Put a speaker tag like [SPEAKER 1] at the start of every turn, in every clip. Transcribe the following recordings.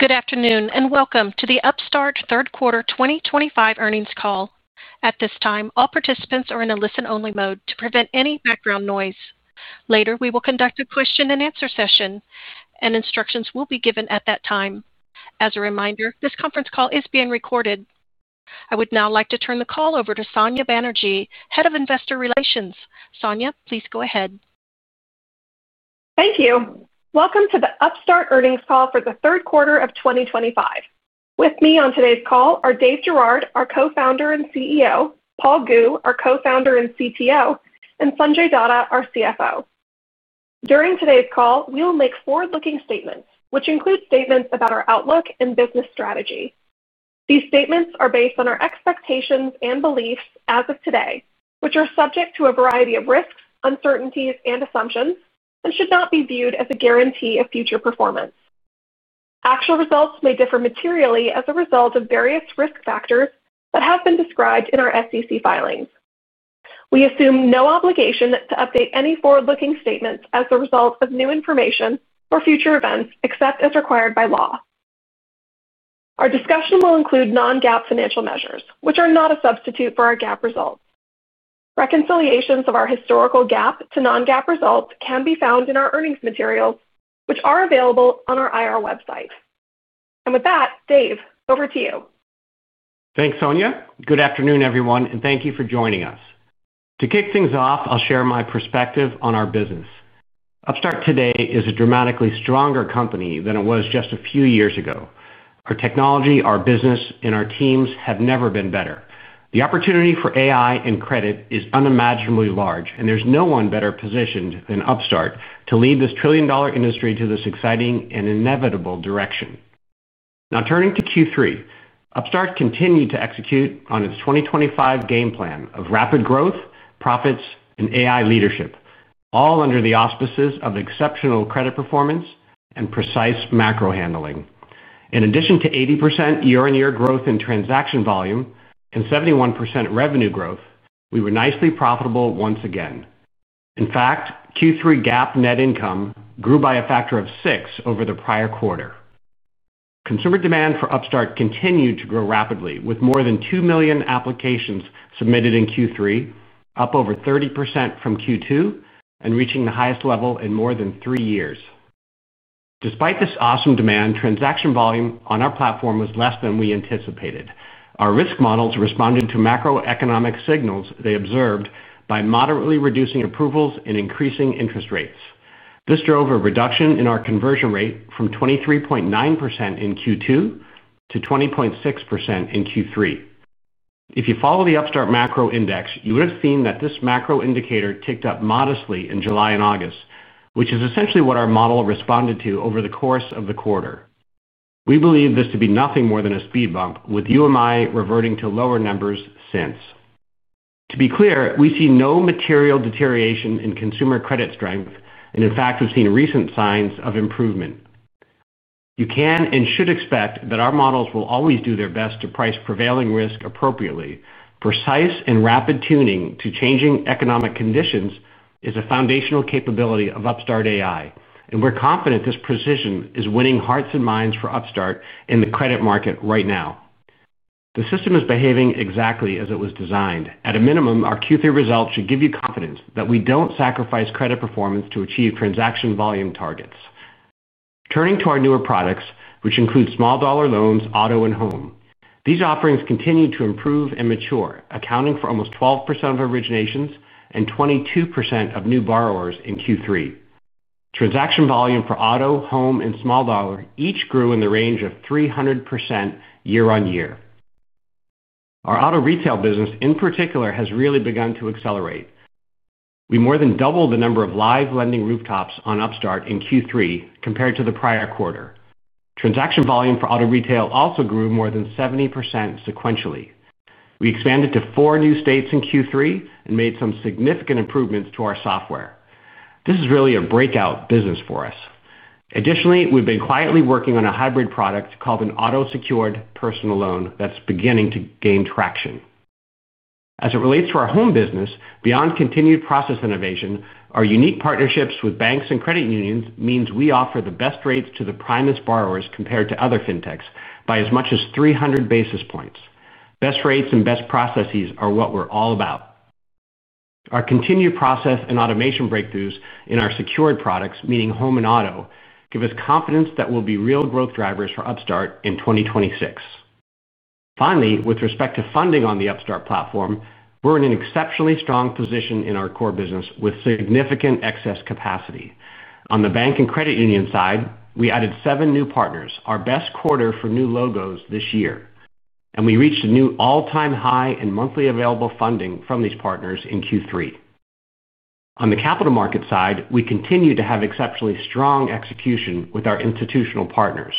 [SPEAKER 1] Good afternoon and welcome to the Upstart Third Quarter 2025 earnings call. At this time, all participants are in a listen-only mode to prevent any background noise. Later, we will conduct a question-and-answer session, and instructions will be given at that time. As a reminder, this conference call is being recorded. I would now like to turn the call over to Sonya Banerjee, Head of Investor Relations. Sonya, please go ahead.
[SPEAKER 2] Thank you. Welcome to the Upstart earnings call for the third quarter of 2025. With me on today's call are Dave Girouard, our co-founder and CEO, Paul Gu, our co-founder and CTO, and Sanjay Datta, our CFO. During today's call, we will make forward-looking statements, which include statements about our outlook and business strategy. These statements are based on our expectations and beliefs as of today, which are subject to a variety of risks, uncertainties, and assumptions, and should not be viewed as a guarantee of future performance. Actual results may differ materially as a result of various risk factors that have been described in our SEC filings. We assume no obligation to update any forward-looking statements as a result of new information or future events, except as required by law. Our discussion will include non-GAAP financial measures, which are not a substitute for our GAAP results. Reconciliations of our historical GAAP to non-GAAP results can be found in our earnings materials, which are available on our IR website. With that, Dave, over to you.
[SPEAKER 3] Thanks, Sonya. Good afternoon, everyone, and thank you for joining us. To kick things off, I'll share my perspective on our business. Upstart today is a dramatically stronger company than it was just a few years ago. Our technology, our business, and our teams have never been better. The opportunity for AI and credit is unimaginably large, and there's no one better positioned than Upstart to lead this trillion-dollar industry to this exciting and inevitable direction. Now, turning to Q3, Upstart continued to execute on its 2025 game plan of rapid growth, profits, and AI leadership, all under the auspices of exceptional credit performance and precise macro handling. In addition to 80% year-on-year growth in transaction volume and 71% revenue growth, we were nicely profitable once again. In fact, Q3 GAAP net income grew by a factor of six over the prior quarter. Consumer demand for Upstart continued to grow rapidly, with more than two million applications submitted in Q3, up over 30% from Q2 and reaching the highest level in more than three years. Despite this awesome demand, transaction volume on our platform was less than we anticipated. Our risk models responded to macroeconomic signals they observed by moderately reducing approvals and increasing interest rates. This drove a reduction in our conversion rate from 23.9% in Q2 to 20.6% in Q3. If you follow the Upstart Macro Index, you would have seen that this macro indicator ticked up modestly in July and August, which is essentially what our model responded to over the course of the quarter. We believe this to be nothing more than a speed bump, with UMI reverting to lower numbers since. To be clear, we see no material deterioration in consumer credit strength, and in fact, we've seen recent signs of improvement. You can and should expect that our models will always do their best to price prevailing risk appropriately. Precise and rapid tuning to changing economic conditions is a foundational capability of Upstart AI, and we're confident this precision is winning hearts and minds for Upstart in the credit market right now. The system is behaving exactly as it was designed. At a minimum, our Q3 results should give you confidence that we don't sacrifice credit performance to achieve transaction volume targets. Turning to our newer products, which include small-dollar loans, auto, and home, these offerings continue to improve and mature, accounting for almost 12% of originations and 22% of new borrowers in Q3. Transaction volume for auto, home, and small-dollar each grew in the range of 300% year-on-year. Our auto retail business, in particular, has really begun to accelerate. We more than doubled the number of live lending rooftops on Upstart in Q3 compared to the prior quarter. Transaction volume for auto retail also grew more than 70% sequentially. We expanded to four new states in Q3 and made some significant improvements to our software. This is really a breakout business for us. Additionally, we've been quietly working on a hybrid product called an auto-secured personal loan that's beginning to gain traction. As it relates to our home business, beyond continued process innovation, our unique partnerships with banks and credit unions mean we offer the best rates to the primest borrowers compared to other fintechs by as much as 300 basis points. Best rates and best processes are what we're all about. Our continued process and automation breakthroughs in our secured products, meaning home and auto, give us confidence that we'll be real growth drivers for Upstart in 2026. Finally, with respect to funding on the Upstart platform, we're in an exceptionally strong position in our core business with significant excess capacity. On the bank and credit union side, we added seven new partners, our best quarter for new logos this year, and we reached a new all-time high in monthly available funding from these partners in Q3. On the capital market side, we continue to have exceptionally strong execution with our institutional partners.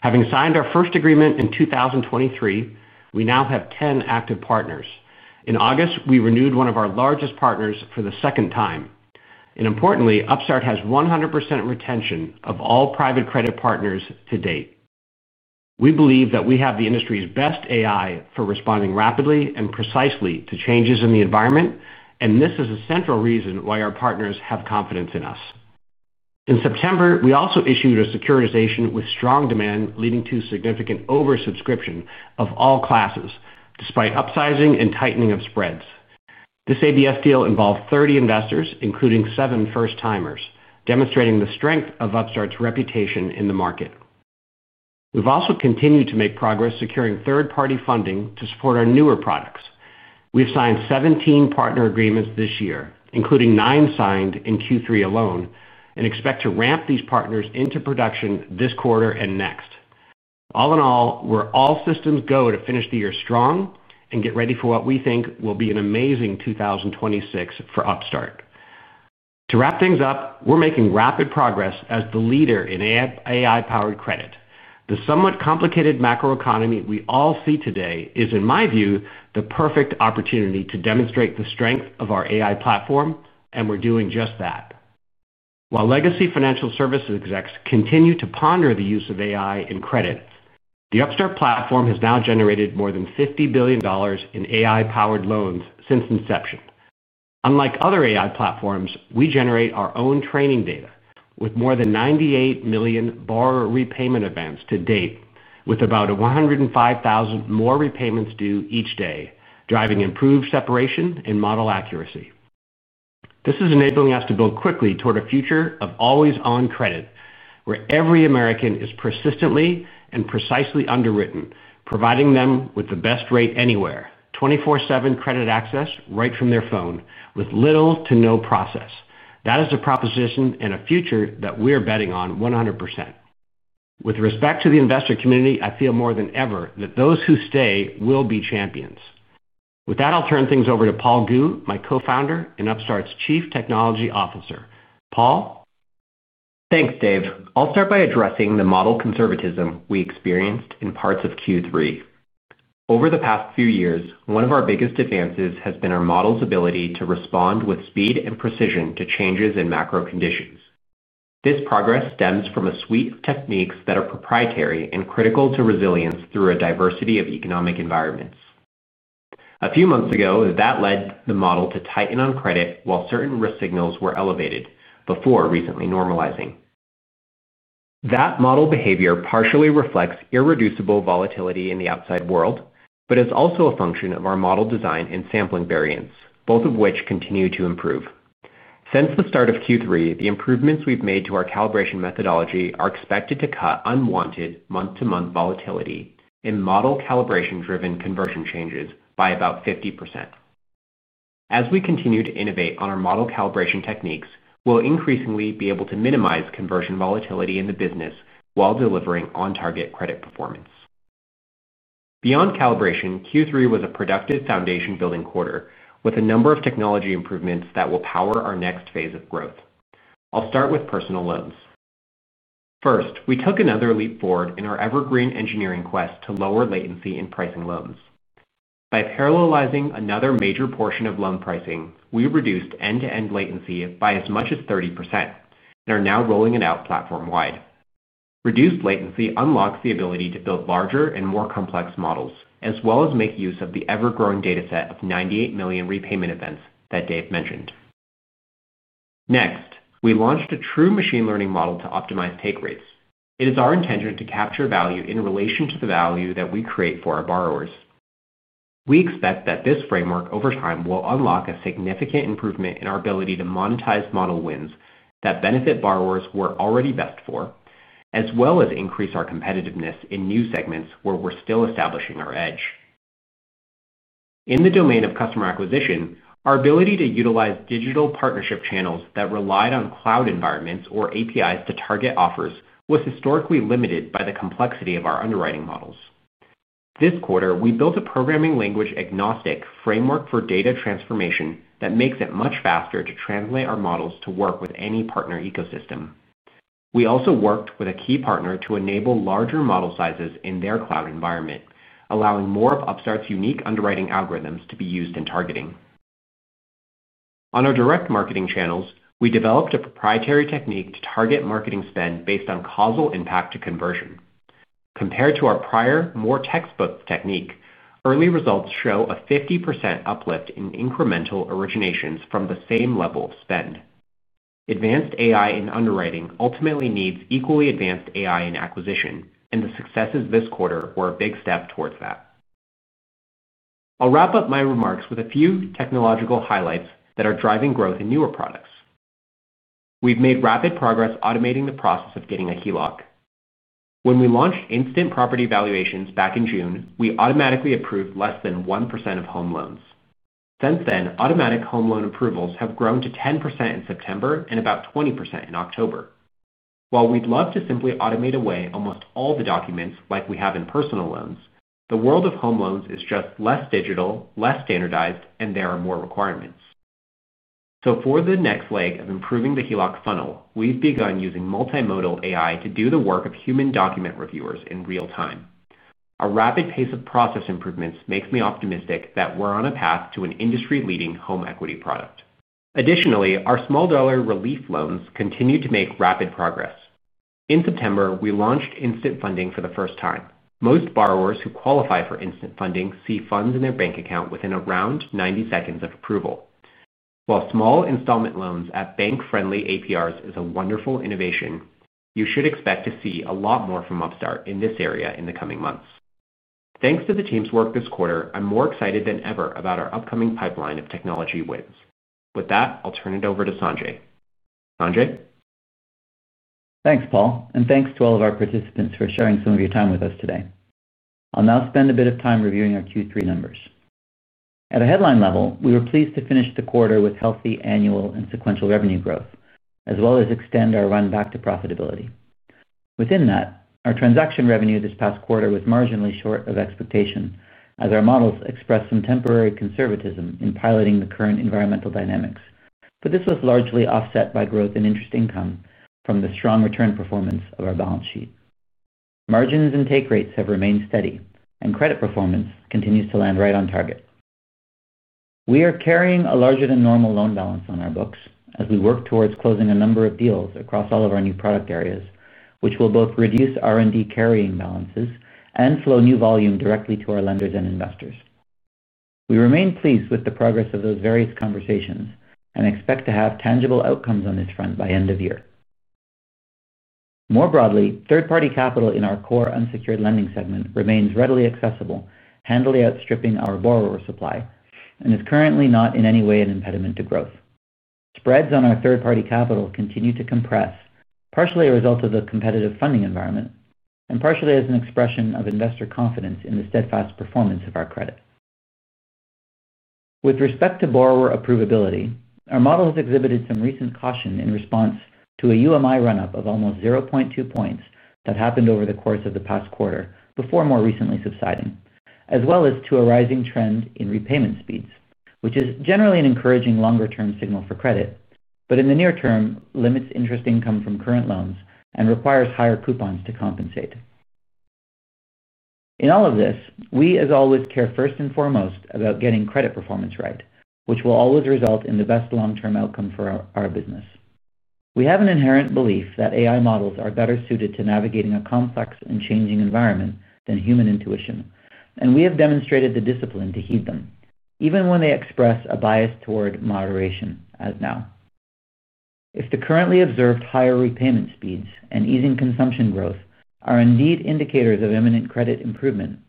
[SPEAKER 3] Having signed our first agreement in 2023, we now have 10 active partners. In August, we renewed one of our largest partners for the second time, and importantly, Upstart has 100% retention of all private credit partners to date. We believe that we have the industry's best AI for responding rapidly and precisely to changes in the environment, and this is a central reason why our partners have confidence in us. In September, we also issued a securitization with strong demand leading to significant oversubscription of all classes, despite upsizing and tightening of spreads. This ABS deal involved 30 investors, including seven first-timers, demonstrating the strength of Upstart's reputation in the market. We've also continued to make progress securing third-party funding to support our newer products. We've signed 17 partner agreements this year, including nine signed in Q3 alone, and expect to ramp these partners into production this quarter and next. All in all, we're all systems go to finish the year strong and get ready for what we think will be an amazing 2026 for Upstart. To wrap things up, we're making rapid progress as the leader in AI-powered credit. The somewhat complicated macroeconomy we all see today is, in my view, the perfect opportunity to demonstrate the strength of our AI platform, and we're doing just that. While legacy financial service execs continue to ponder the use of AI in credit, the Upstart platform has now generated more than $50 billion in AI-powered loans since inception. Unlike other AI platforms, we generate our own training data with more than 98 million borrower repayment events to date, with about 105,000 more repayments due each day, driving improved separation and model accuracy. This is enabling us to build quickly toward a future of always-on credit, where every American is persistently and precisely underwritten, providing them with the best rate anywhere, 24/7 credit access right from their phone with little to no process. That is a proposition and a future that we're betting on 100%. With respect to the investor community, I feel more than ever that those who stay will be champions. With that, I'll turn things over to Paul Gu, my co-founder and Upstart's Chief Technology Officer. Paul.
[SPEAKER 4] Thanks, Dave. I'll start by addressing the model conservatism we experienced in parts of Q3. Over the past few years, one of our biggest advances has been our model's ability to respond with speed and precision to changes in macro conditions. This progress stems from a suite of techniques that are proprietary and critical to resilience through a diversity of economic environments. A few months ago, that led the model to tighten on credit while certain risk signals were elevated before recently normalizing. That model behavior partially reflects irreducible volatility in the outside world, but is also a function of our model design and sampling variance, both of which continue to improve. Since the start of Q3, the improvements we've made to our calibration methodology are expected to cut unwanted month-to-month volatility and model calibration-driven conversion changes by about 50%. As we continue to innovate on our model calibration techniques, we'll increasingly be able to minimize conversion volatility in the business while delivering on-target credit performance. Beyond calibration, Q3 was a productive foundation-building quarter with a number of technology improvements that will power our next phase of growth. I'll start with personal loans. First, we took another leap forward in our evergreen engineering quest to lower latency in pricing loans. By parallelizing another major portion of loan pricing, we reduced end-to-end latency by as much as 30% and are now rolling it out platform-wide. Reduced latency unlocks the ability to build larger and more complex models, as well as make use of the ever-growing data set of 98 million repayment events that Dave mentioned. Next, we launched a true machine learning model to optimize take rates. It is our intention to capture value in relation to the value that we create for our borrowers. We expect that this framework over time will unlock a significant improvement in our ability to monetize model wins that benefit borrowers we're already best for, as well as increase our competitiveness in new segments where we're still establishing our edge. In the domain of customer acquisition, our ability to utilize digital partnership channels that relied on cloud environments or APIs to target offers was historically limited by the complexity of our underwriting models. This quarter, we built a programming language-agnostic framework for data transformation that makes it much faster to translate our models to work with any partner ecosystem. We also worked with a key partner to enable larger model sizes in their cloud environment, allowing more of Upstart's unique underwriting algorithms to be used in targeting. On our direct marketing channels, we developed a proprietary technique to target marketing spend based on causal impact to conversion. Compared to our prior, more textbook technique, early results show a 50% uplift in incremental originations from the same level of spend. Advanced AI in underwriting ultimately needs equally advanced AI in acquisition, and the successes this quarter were a big step towards that. I'll wrap up my remarks with a few technological highlights that are driving growth in newer products. We've made rapid progress automating the process of getting a HELOC. When we launched instant property valuations back in June, we automatically approved less than 1% of home loans. Since then, automatic home loan approvals have grown to 10% in September and about 20% in October. While we'd love to simply automate away almost all the documents like we have in personal loans, the world of home loans is just less digital, less standardized, and there are more requirements. So for the next leg of improving the HELOC funnel, we've begun using multimodal AI to do the work of human document reviewers in real time. A rapid pace of process improvements makes me optimistic that we're on a path to an industry-leading home equity product. Additionally, our small-dollar relief loans continue to make rapid progress. In September, we launched instant funding for the first time. Most borrowers who qualify for instant funding see funds in their bank account within around 90 seconds of approval. While small installment loans at bank-friendly APRs is a wonderful innovation, you should expect to see a lot more from Upstart in this area in the coming months. Thanks to the team's work this quarter, I'm more excited than ever about our upcoming pipeline of technology wins. With that, I'll turn it over to Sanjay. Sanjay?
[SPEAKER 5] Thanks, Paul, and thanks to all of our participants for sharing some of your time with us today. I'll now spend a bit of time reviewing our Q3 numbers. At a headline level, we were pleased to finish the quarter with healthy annual and sequential revenue growth, as well as extend our run back to profitability. Within that, our transaction revenue this past quarter was marginally short of expectation as our models expressed some temporary conservatism in piloting the current environmental dynamics, but this was largely offset by growth in interest income from the strong return performance of our balance sheet. Margins and take rates have remained steady, and credit performance continues to land right on target. We are carrying a larger-than-normal loan balance on our books as we work towards closing a number of deals across all of our new product areas, which will both reduce R&D carrying balances and flow new volume directly to our lenders and investors. We remain pleased with the progress of those various conversations and expect to have tangible outcomes on this front by end of year. More broadly, third-party capital in our core unsecured lending segment remains readily accessible, handily outstripping our borrower supply, and is currently not in any way an impediment to growth. Spreads on our third-party capital continue to compress, partially a result of the competitive funding environment and partially as an expression of investor confidence in the steadfast performance of our credit. With respect to borrower approvability, our model has exhibited some recent caution in response to a UMI run-up of almost 0.2 points that happened over the course of the past quarter before more recently subsiding, as well as to a rising trend in repayment speeds, which is generally an encouraging longer-term signal for credit, but in the near term limits interest income from current loans and requires higher coupons to compensate. In all of this, we, as always, care first and foremost about getting credit performance right, which will always result in the best long-term outcome for our business. We have an inherent belief that AI models are better suited to navigating a complex and changing environment than human intuition, and we have demonstrated the discipline to heed them, even when they express a bias toward moderation as now. If the currently observed higher repayment speeds and easing consumption growth are indeed indicators of imminent credit improvement,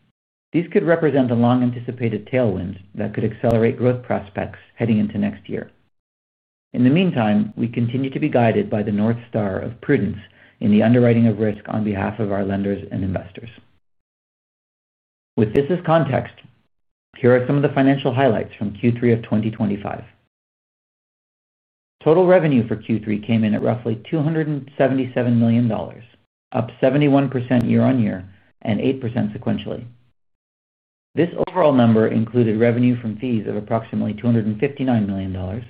[SPEAKER 5] these could represent a long-anticipated tailwind that could accelerate growth prospects heading into next year. In the meantime, we continue to be guided by the North Star of prudence in the underwriting of risk on behalf of our lenders and investors. With this as context, here are some of the financial highlights from Q3 of 2025. Total revenue for Q3 came in at roughly $277 million, up 71% year-on-year and 8% sequentially. This overall number included revenue from fees of approximately $259 million,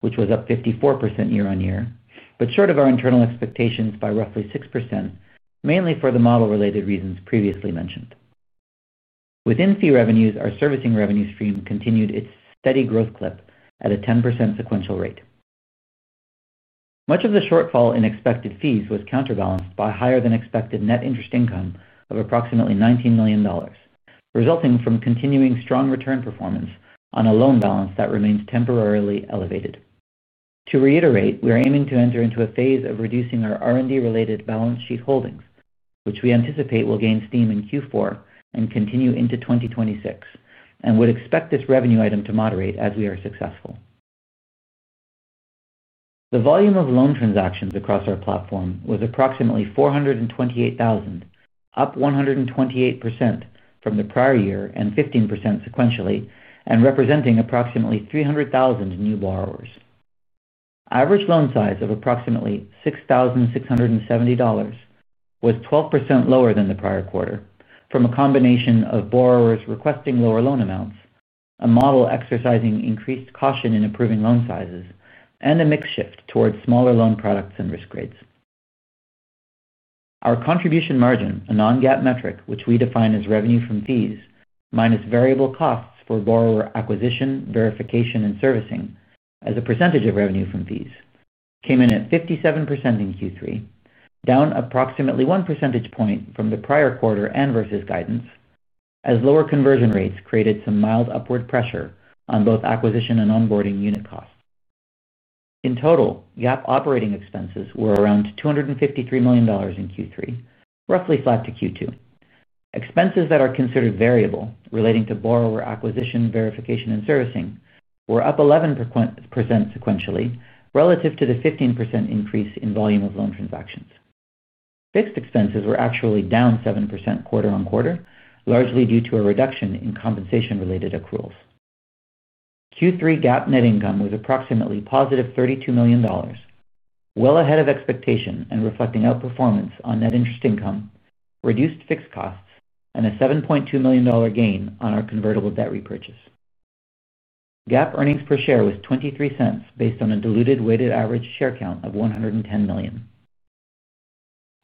[SPEAKER 5] which was up 54% year-on-year, but short of our internal expectations by roughly 6%, mainly for the model-related reasons previously mentioned. Within fee revenues, our servicing revenue stream continued its steady growth clip at a 10% sequential rate. Much of the shortfall in expected fees was counterbalanced by higher-than-expected net interest income of approximately $19 million, resulting from continuing strong return performance on a loan balance that remains temporarily elevated. To reiterate, we are aiming to enter into a phase of reducing our R&D-related balance sheet holdings, which we anticipate will gain steam in Q4 and continue into 2026, and would expect this revenue item to moderate as we are successful. The volume of loan transactions across our platform was approximately 428,000, up 128% from the prior year and 15% sequentially, and representing approximately 300,000 new borrowers. Average loan size of approximately $6,670 was 12% lower than the prior quarter from a combination of borrowers requesting lower loan amounts, a model exercising increased caution in approving loan sizes, and a mix shift towards smaller loan products and risk grades. Our contribution margin, a non-GAAP metric, which we define as revenue from fees minus variable costs for borrower acquisition, verification, and servicing as a percentage of revenue from fees, came in at 57% in Q3, down approximately one percentage point from the prior quarter and versus guidance, as lower conversion rates created some mild upward pressure on both acquisition and onboarding unit costs. In total, GAAP operating expenses were around $253 million in Q3, roughly flat to Q2. Expenses that are considered variable relating to borrower acquisition, verification, and servicing were up 11% sequentially relative to the 15% increase in volume of loan transactions. Fixed expenses were actually down 7% quarter-on-quarter, largely due to a reduction in compensation-related accruals. Q3 GAAP net income was approximately positive $32 million. Well ahead of expectation and reflecting outperformance on net interest income, reduced fixed costs, and a $7.2 million gain on our convertible debt repurchase. GAAP earnings per share was $0.23 based on a diluted weighted average share count of 110 million.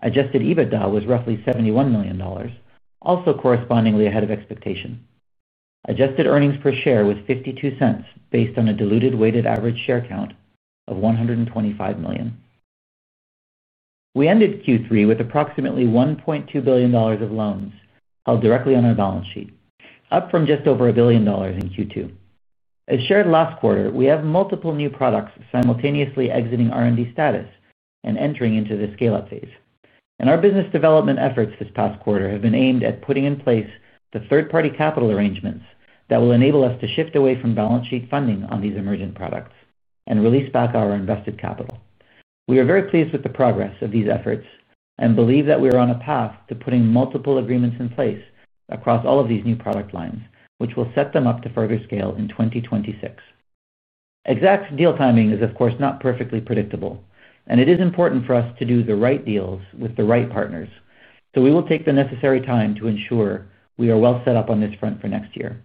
[SPEAKER 5] Adjusted EBITDA was roughly $71 million, also correspondingly ahead of expectation. Adjusted earnings per share was $0.52 based on a diluted weighted average share count of 125 million. We ended Q3 with approximately $1.2 billion of loans held directly on our balance sheet, up from just over a billion dollars in Q2. As shared last quarter, we have multiple new products simultaneously exiting R&D status and entering into the scale-up phase. And our business development efforts this past quarter have been aimed at putting in place the third-party capital arrangements that will enable us to shift away from balance sheet funding on these emergent products and release back our invested capital. We are very pleased with the progress of these efforts and believe that we are on a path to putting multiple agreements in place across all of these new product lines, which will set them up to further scale in 2026. Exact deal timing is, of course, not perfectly predictable, and it is important for us to do the right deals with the right partners. So we will take the necessary time to ensure we are well set up on this front for next year.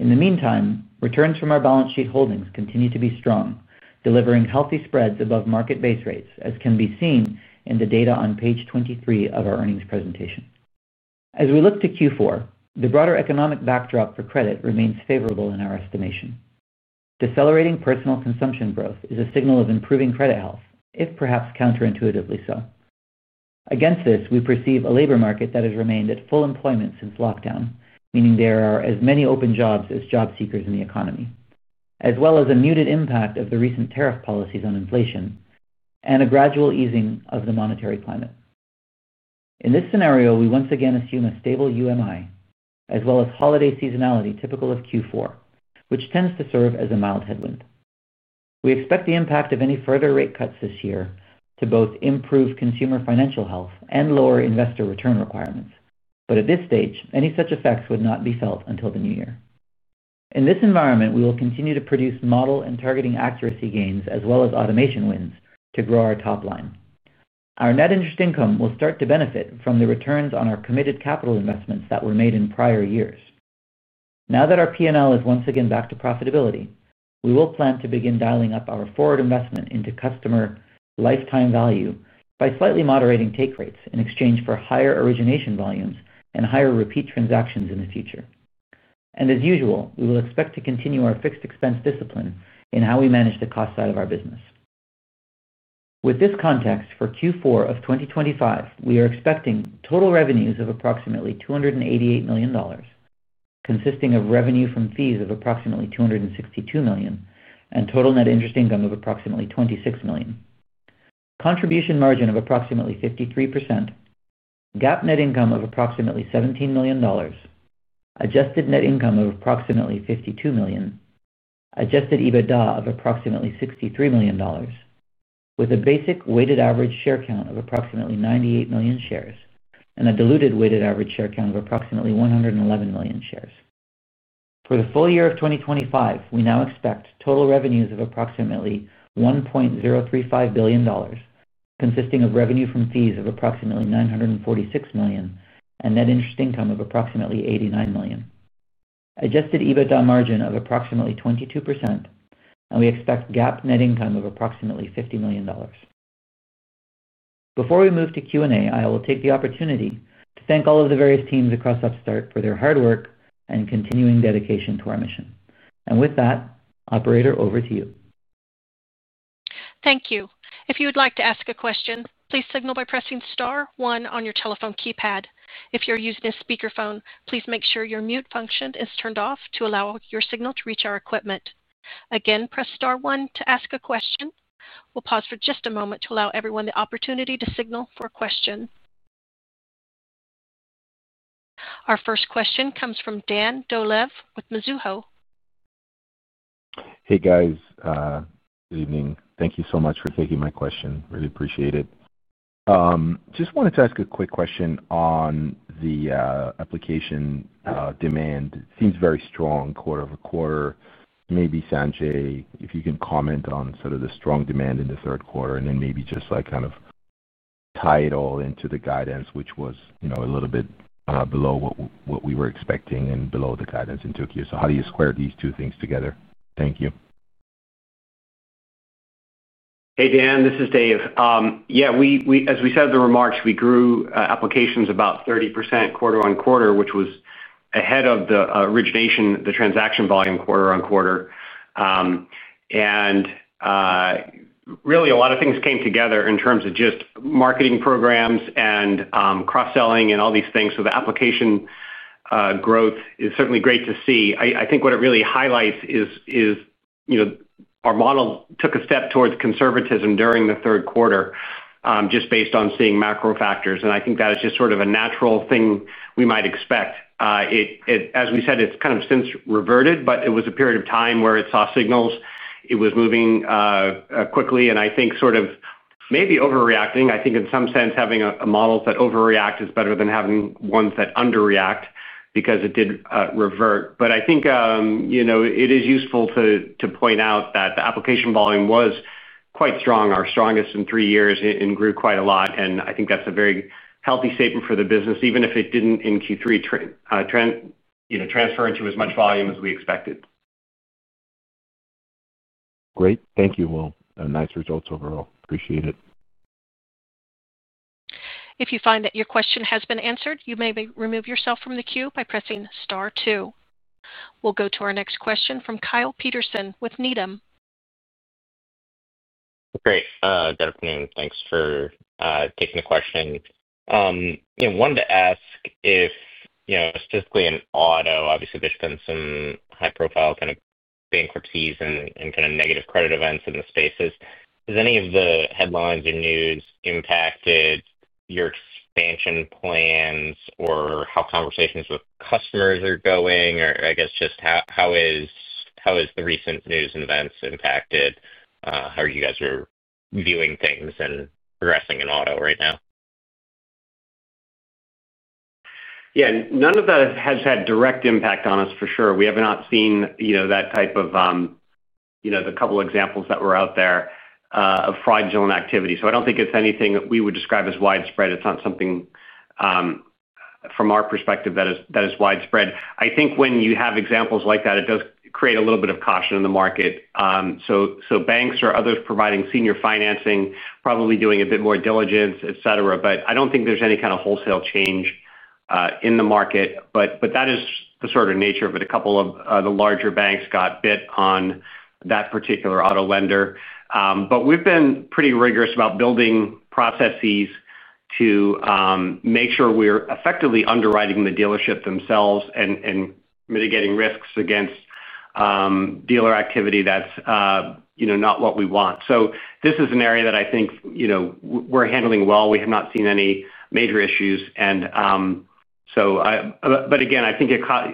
[SPEAKER 5] In the meantime, returns from our balance sheet holdings continue to be strong, delivering healthy spreads above market base rates, as can be seen in the data on page 23 of our earnings presentation. As we look to Q4, the broader economic backdrop for credit remains favorable in our estimation. Decelerating personal consumption growth is a signal of improving credit health, if perhaps counterintuitively so. Against this, we perceive a labor market that has remained at full employment since lockdown, meaning there are as many open jobs as job seekers in the economy, as well as a muted impact of the recent tariff policies on inflation and a gradual easing of the monetary climate. In this scenario, we once again assume a stable UMI, as well as holiday seasonality typical of Q4, which tends to serve as a mild headwind. We expect the impact of any further rate cuts this year to both improve consumer financial health and lower investor return requirements, but at this stage, any such effects would not be felt until the new year. In this environment, we will continue to produce model and targeting accuracy gains as well as automation wins to grow our top line. Our net interest income will start to benefit from the returns on our committed capital investments that were made in prior years. Now that our P&L is once again back to profitability, we will plan to begin dialing up our forward investment into customer lifetime value by slightly moderating take rates in exchange for higher origination volumes and higher repeat transactions in the future. And as usual, we will expect to continue our fixed expense discipline in how we manage the cost side of our business. With this context, for Q4 of 2025, we are expecting total revenues of approximately $288 million, consisting of revenue from fees of approximately $262 million and total net interest income of approximately $26 million. Contribution margin of approximately 53%. GAAP net income of approximately $17 million. Adjusted net income of approximately $52 million, adjusted EBITDA of approximately $63 million, with a basic weighted average share count of approximately 98 million shares and a diluted weighted average share count of approximately 111 million shares. For the full year of 2025, we now expect total revenues of approximately $1.035 billion, consisting of revenue from fees of approximately $946 million and net interest income of approximately $89 million. Adjusted EBITDA margin of approximately 22%, and we expect GAAP net income of approximately $50 million. Before we move to Q&A, I will take the opportunity to thank all of the various teams across Upstart for their hard work and continuing dedication to our mission. And with that, Operator, over to you.
[SPEAKER 1] Thank you. If you would like to ask a question, please signal by pressing Star 1 on your telephone keypad. If you're using a speakerphone, please make sure your mute function is turned off to allow your signal to reach our equipment. Again, press Star 1 to ask a question. We'll pause for just a moment to allow everyone the opportunity to signal for a question. Our first question comes from Dan Doleav with Mizuho.
[SPEAKER 6] Hey, guys. Good evening. Thank you so much for taking my question. Really appreciate it. Just wanted to ask a quick question on the application demand. It seems very strong, quarter over quarter. Maybe Sanjay, if you can comment on sort of the strong demand in the third quarter and then maybe just kind of tie it all into the guidance, which was a little bit below what we were expecting and below the guidance in Tokyo. So how do you square these two things together? Thank you.
[SPEAKER 3] Hey, Dan, this is Dave. Yeah, as we said in the remarks, we grew applications about 30% quarter on quarter, which was ahead of the origination, the transaction volume quarter on quarter. And really, a lot of things came together in terms of just marketing programs and cross-selling and all these things. So the application growth is certainly great to see. I think what it really highlights is our model took a step towards conservatism during the third quarter just based on seeing macro factors. And I think that is just sort of a natural thing we might expect. As we said, it's kind of since reverted, but it was a period of time where it saw signals it was moving quickly. And I think sort of maybe overreacting. I think in some sense, having a model that overreacts is better than having ones that underreact because it did revert. But I think it is useful to point out that the application volume was quite strong, our strongest in three years, and grew quite a lot. And I think that's a very healthy statement for the business, even if it didn't in Q3 translate into as much volume as we expected.
[SPEAKER 6] Great. Thank you all. Nice results overall. Appreciate it.
[SPEAKER 1] If you find that your question has been answered, you may remove yourself from the queue by pressing Star 2. We'll go to our next question from Kyle Peterson with Needham.
[SPEAKER 7] Great. Good afternoon. Thanks for taking the question. I wanted to ask if specifically in auto, obviously, there’s been some high-profile kind of bankruptcies and kind of negative credit events in the spaces. Has any of the headlines or news impacted your expansion plans or how conversations with customers are going? Or I guess just how has the recent news and events impacted how you guys are viewing things and progressing in auto right now?
[SPEAKER 3] Yeah. None of that has had direct impact on us, for sure. We have not seen that type of the couple of examples that were out there of fraudulent activity, so I don't think it's anything that we would describe as widespread. It's not something from our perspective that is widespread. I think when you have examples like that, it does create a little bit of caution in the market, so banks or others providing senior financing probably doing a bit more diligence, et cetera. But I don't think there's any kind of wholesale change in the market, but that is the sort of nature of it. A couple of the larger banks got bit on that particular auto lender, but we've been pretty rigorous about building processes to make sure we're effectively underwriting the dealership themselves and mitigating risks against dealer activity that's not what we want, so this is an area that I think we're handling well. We have not seen any major issues, but again, I think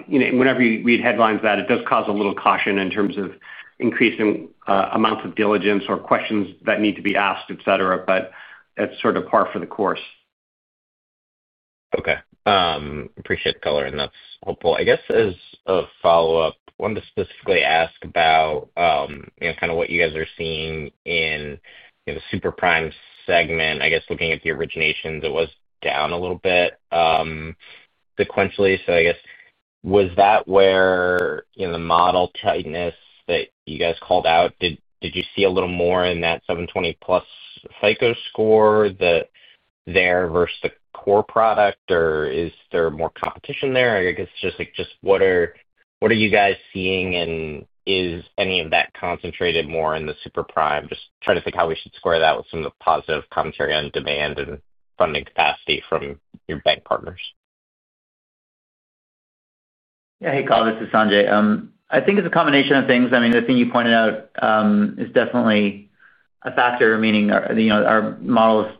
[SPEAKER 3] whenever you read headlines of that, it does cause a little caution in terms of increasing amounts of diligence or questions that need to be asked, et cetera, but that's sort of par for the course.
[SPEAKER 7] Okay. Appreciate the color, and that's helpful. I guess as a follow-up, I wanted to specifically ask about kind of what you guys are seeing in the superprime segment. I guess looking at the originations, it was down a little bit sequentially. So I guess, was that where the model tightness that you guys called out? Did you see a little more in that 720+ FICO score there versus the core product? Or is there more competition there? I guess just what are you guys seeing? And is any of that concentrated more in the superprime? Just trying to think how we should square that with some of the positive commentary on demand and funding capacity from your bank partners.
[SPEAKER 5] Yeah. Hey, Kyle. This is Sanjay. I think it's a combination of things. I mean, the thing you pointed out is definitely a factor, meaning our models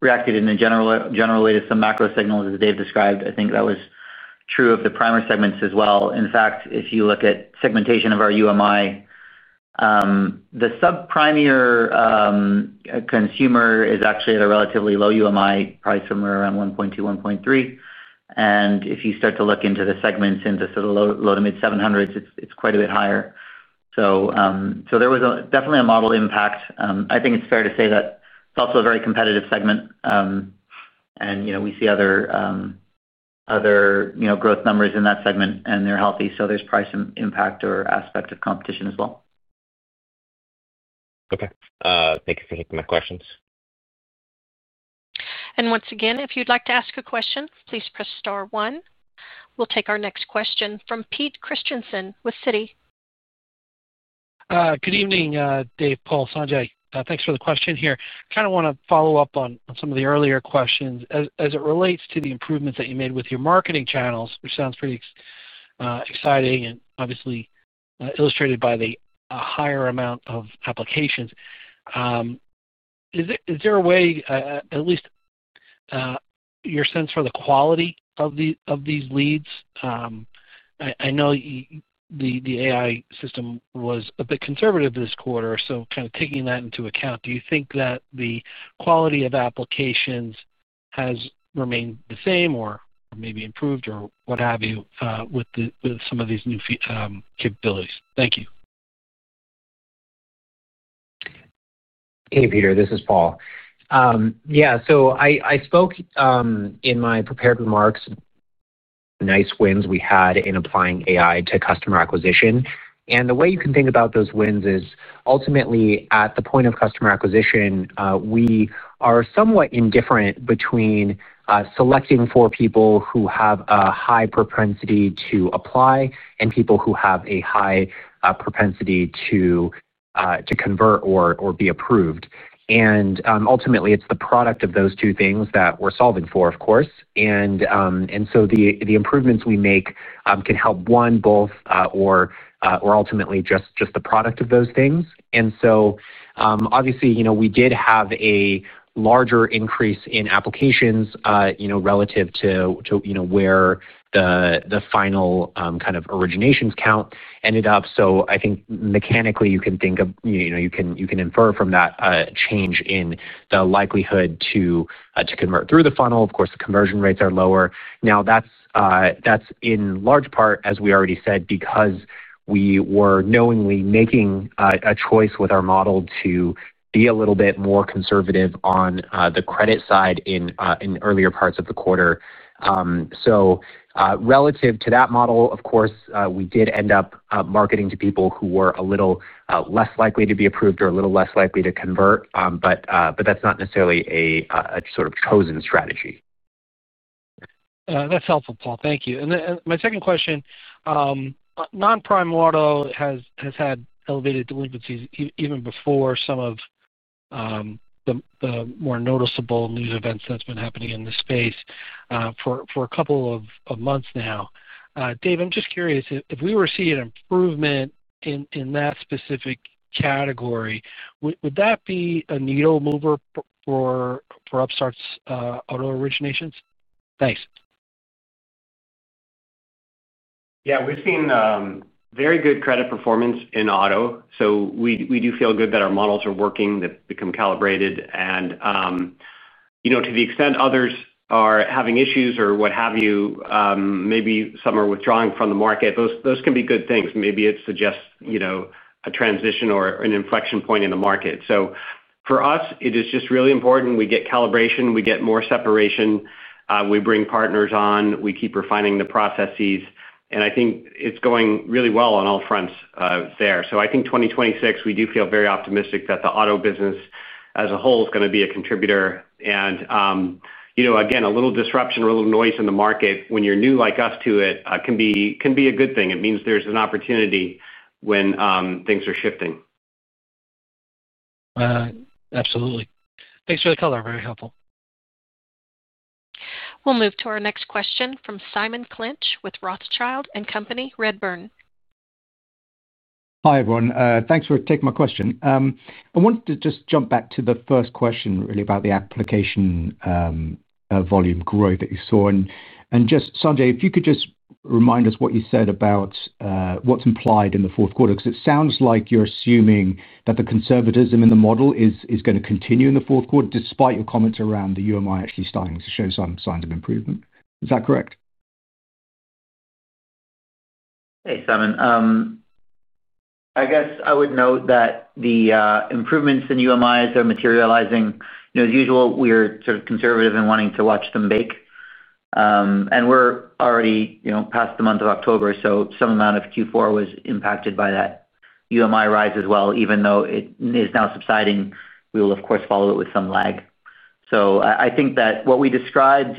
[SPEAKER 5] reacted in a general way to some macro signals, as Dave described. I think that was true of the primary segments as well. In fact, if you look at segmentation of our UMI. The subprime near-prime consumer is actually at a relatively low UMI, probably somewhere around 1.2, 1.3. And if you start to look into the segments in the sort of low to mid 700s, it's quite a bit higher. So there was definitely a model impact. I think it's fair to say that it's also a very competitive segment. And we see other growth numbers in that segment, and they're healthy. So there's probably some impact or aspect of competition as well.
[SPEAKER 7] Okay. Thank you for taking my questions.
[SPEAKER 1] And once again, if you'd like to ask a question, please press Star one. We'll take our next question from Pete Christiansen with Citi.
[SPEAKER 8] Good evening, Dave, Paul, Sanjay. Thanks for the question here. Kind of want to follow up on some of the earlier questions as it relates to the improvements that you made with your marketing channels, which sounds pretty exciting and obviously illustrated by the higher amount of applications. Is there a way, at least your sense for the quality of these leads? I know the AI system was a bit conservative this quarter, so kind of taking that into account, do you think that the quality of applications has remained the same or maybe improved or what have you with some of these new capabilities? Thank you.
[SPEAKER 4] Hey, Peter. This is Paul. Yeah. So I spoke in my prepared remarks. Nice wins we had in applying AI to customer acquisition. And the way you can think about those wins is ultimately, at the point of customer acquisition, we are somewhat indifferent between selecting for people who have a high propensity to apply and people who have a high propensity to convert or be approved. And ultimately, it's the product of those two things that we're solving for, of course. And so the improvements we make can help one, both, or ultimately just the product of those things. And so obviously, we did have a larger increase in applications relative to where the final kind of originations count ended up. So I think mechanically you can infer from that a change in the likelihood to convert through the funnel. Of course, the conversion rates are lower. Now, that's in large part, as we already said, because we were knowingly making a choice with our model to be a little bit more conservative on the credit side in earlier parts of the quarter. So relative to that model, of course, we did end up marketing to people who were a little less likely to be approved or a little less likely to convert. But that's not necessarily a sort of chosen strategy.
[SPEAKER 8] That's helpful, Paul. Thank you. And my second question. Non-prime auto has had elevated delinquencies even before some of the more noticeable news events that's been happening in this space for a couple of months now. Dave, I'm just curious, if we were to see an improvement in that specific category, would that be a needle mover for Upstart's auto originations? Thanks.
[SPEAKER 4] Yeah. We've seen very good credit performance in auto, so we do feel good that our models are working, that they've been calibrated. To the extent others are having issues or what have you, maybe some are withdrawing from the market, those can be good things. Maybe it suggests a transition or an inflection point in the market, so for us, it is just really important we get calibration, we get more separation, we bring partners on, we keep refining the processes, and I think it's going really well on all fronts there, so I think 2026, we do feel very optimistic that the auto business as a whole is going to be a contributor. Again, a little disruption or a little noise in the market when you're new like us to it can be a good thing. It means there's an opportunity when things are shifting.
[SPEAKER 8] Absolutely. Thanks for the color. Very helpful.
[SPEAKER 1] We'll move to our next question from Simon Clinch with Rothschild and Company, Redburn.
[SPEAKER 9] Hi, everyone. Thanks for taking my question. I wanted to just jump back to the first question, really, about the application volume growth that you saw. And just, Sanjay, if you could just remind us what you said about what's implied in the fourth quarter, because it sounds like you're assuming that the conservatism in the model is going to continue in the fourth quarter despite your comments around the UMI actually starting to show some signs of improvement. Is that correct?
[SPEAKER 5] Hey, Simon. I guess I would note that the improvements in UMIs are materializing. As usual, we are sort of conservative and wanting to watch them bake, and we're already past the month of October, so some amount of Q4 was impacted by that UMI rise as well. Even though it is now subsiding, we will, of course, follow it with some lag, so I think that what we described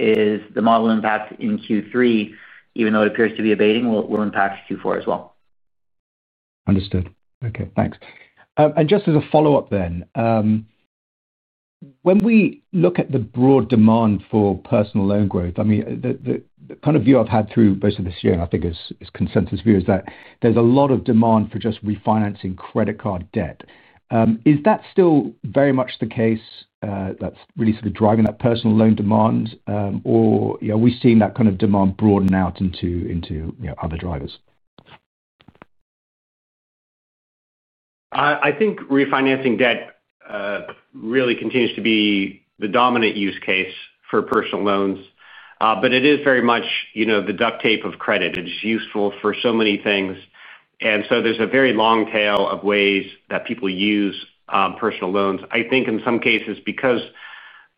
[SPEAKER 5] is the model impact in Q3, even though it appears to be abating, will impact Q4 as well.
[SPEAKER 9] Understood. Okay. Thanks. And just as a follow-up then. When we look at the broad demand for personal loan growth, I mean, the kind of view I've had through most of this year, and I think it's consensus view, is that there's a lot of demand for just refinancing credit card debt. Is that still very much the case that's really sort of driving that personal loan demand? Or are we seeing that kind of demand broaden out into other drivers?
[SPEAKER 5] I think refinancing debt really continues to be the dominant use case for personal loans, but it is very much the duct tape of credit. It is useful for so many things, and so there's a very long tail of ways that people use personal loans. I think in some cases, because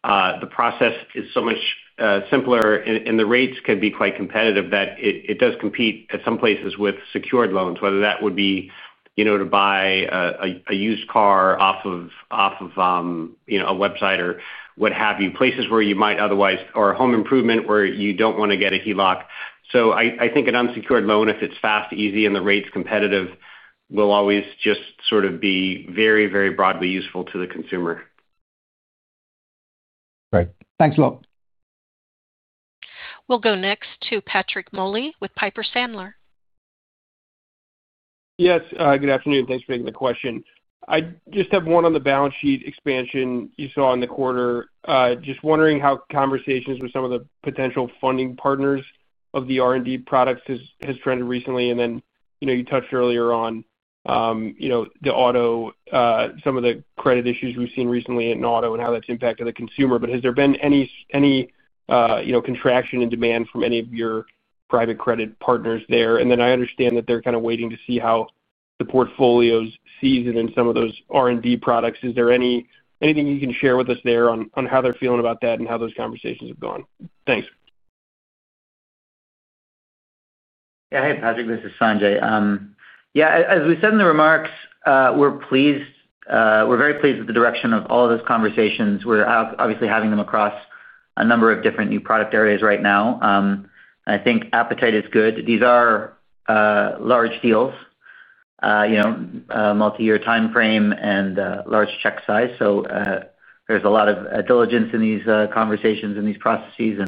[SPEAKER 5] the process is so much simpler and the rates can be quite competitive, that it does compete at some places with secured loans, whether that would be to buy a used car off of a website or what have you, places where you might otherwise or a home improvement where you don't want to get a HELOC, so I think an unsecured loan, if it's fast, easy, and the rate's competitive, will always just sort of be very, very broadly useful to the consumer.
[SPEAKER 9] Great. Thanks a lot.
[SPEAKER 1] We'll go next to Patrick Moley with Piper Sandler.
[SPEAKER 10] Yes. Good afternoon. Thanks for taking the question. I just have one on the balance sheet expansion you saw in the quarter. Just wondering how conversations with some of the potential funding partners of the R&D products have trended recently. And then you touched earlier on the auto, some of the credit issues we've seen recently in auto and how that's impacted the consumer. But has there been any contraction in demand from any of your private credit partners there? And then I understand that they're kind of waiting to see how the portfolios see it in some of those R&D products. Is there anything you can share with us there on how they're feeling about that and how those conversations have gone? Thanks.
[SPEAKER 5] Yeah. Hey, Patrick. This is Sanjay. Yeah. As we said in the remarks, we're very pleased with the direction of all of those conversations. We're obviously having them across a number of different new product areas right now. I think appetite is good. These are large deals, multi-year timeframe and large check size. So there's a lot of diligence in these conversations and these processes.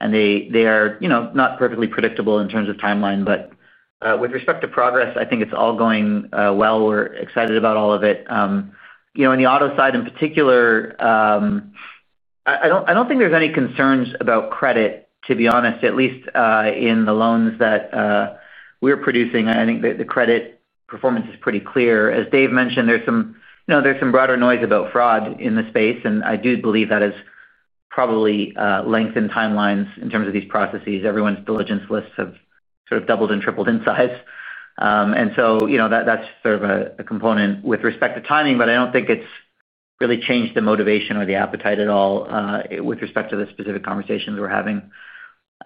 [SPEAKER 5] And they are not perfectly predictable in terms of timeline. But with respect to progress, I think it's all going well. We're excited about all of it. On the auto side in particular, I don't think there's any concerns about credit, to be honest, at least in the loans that we're producing. I think the credit performance is pretty clear. As Dave mentioned, there's some broader noise about fraud in the space. And I do believe that has probably lengthened timelines in terms of these processes. Everyone's diligence lists have sort of doubled and tripled in size. And so that's sort of a component with respect to timing. But I don't think it's really changed the motivation or the appetite at all with respect to the specific conversations we're having.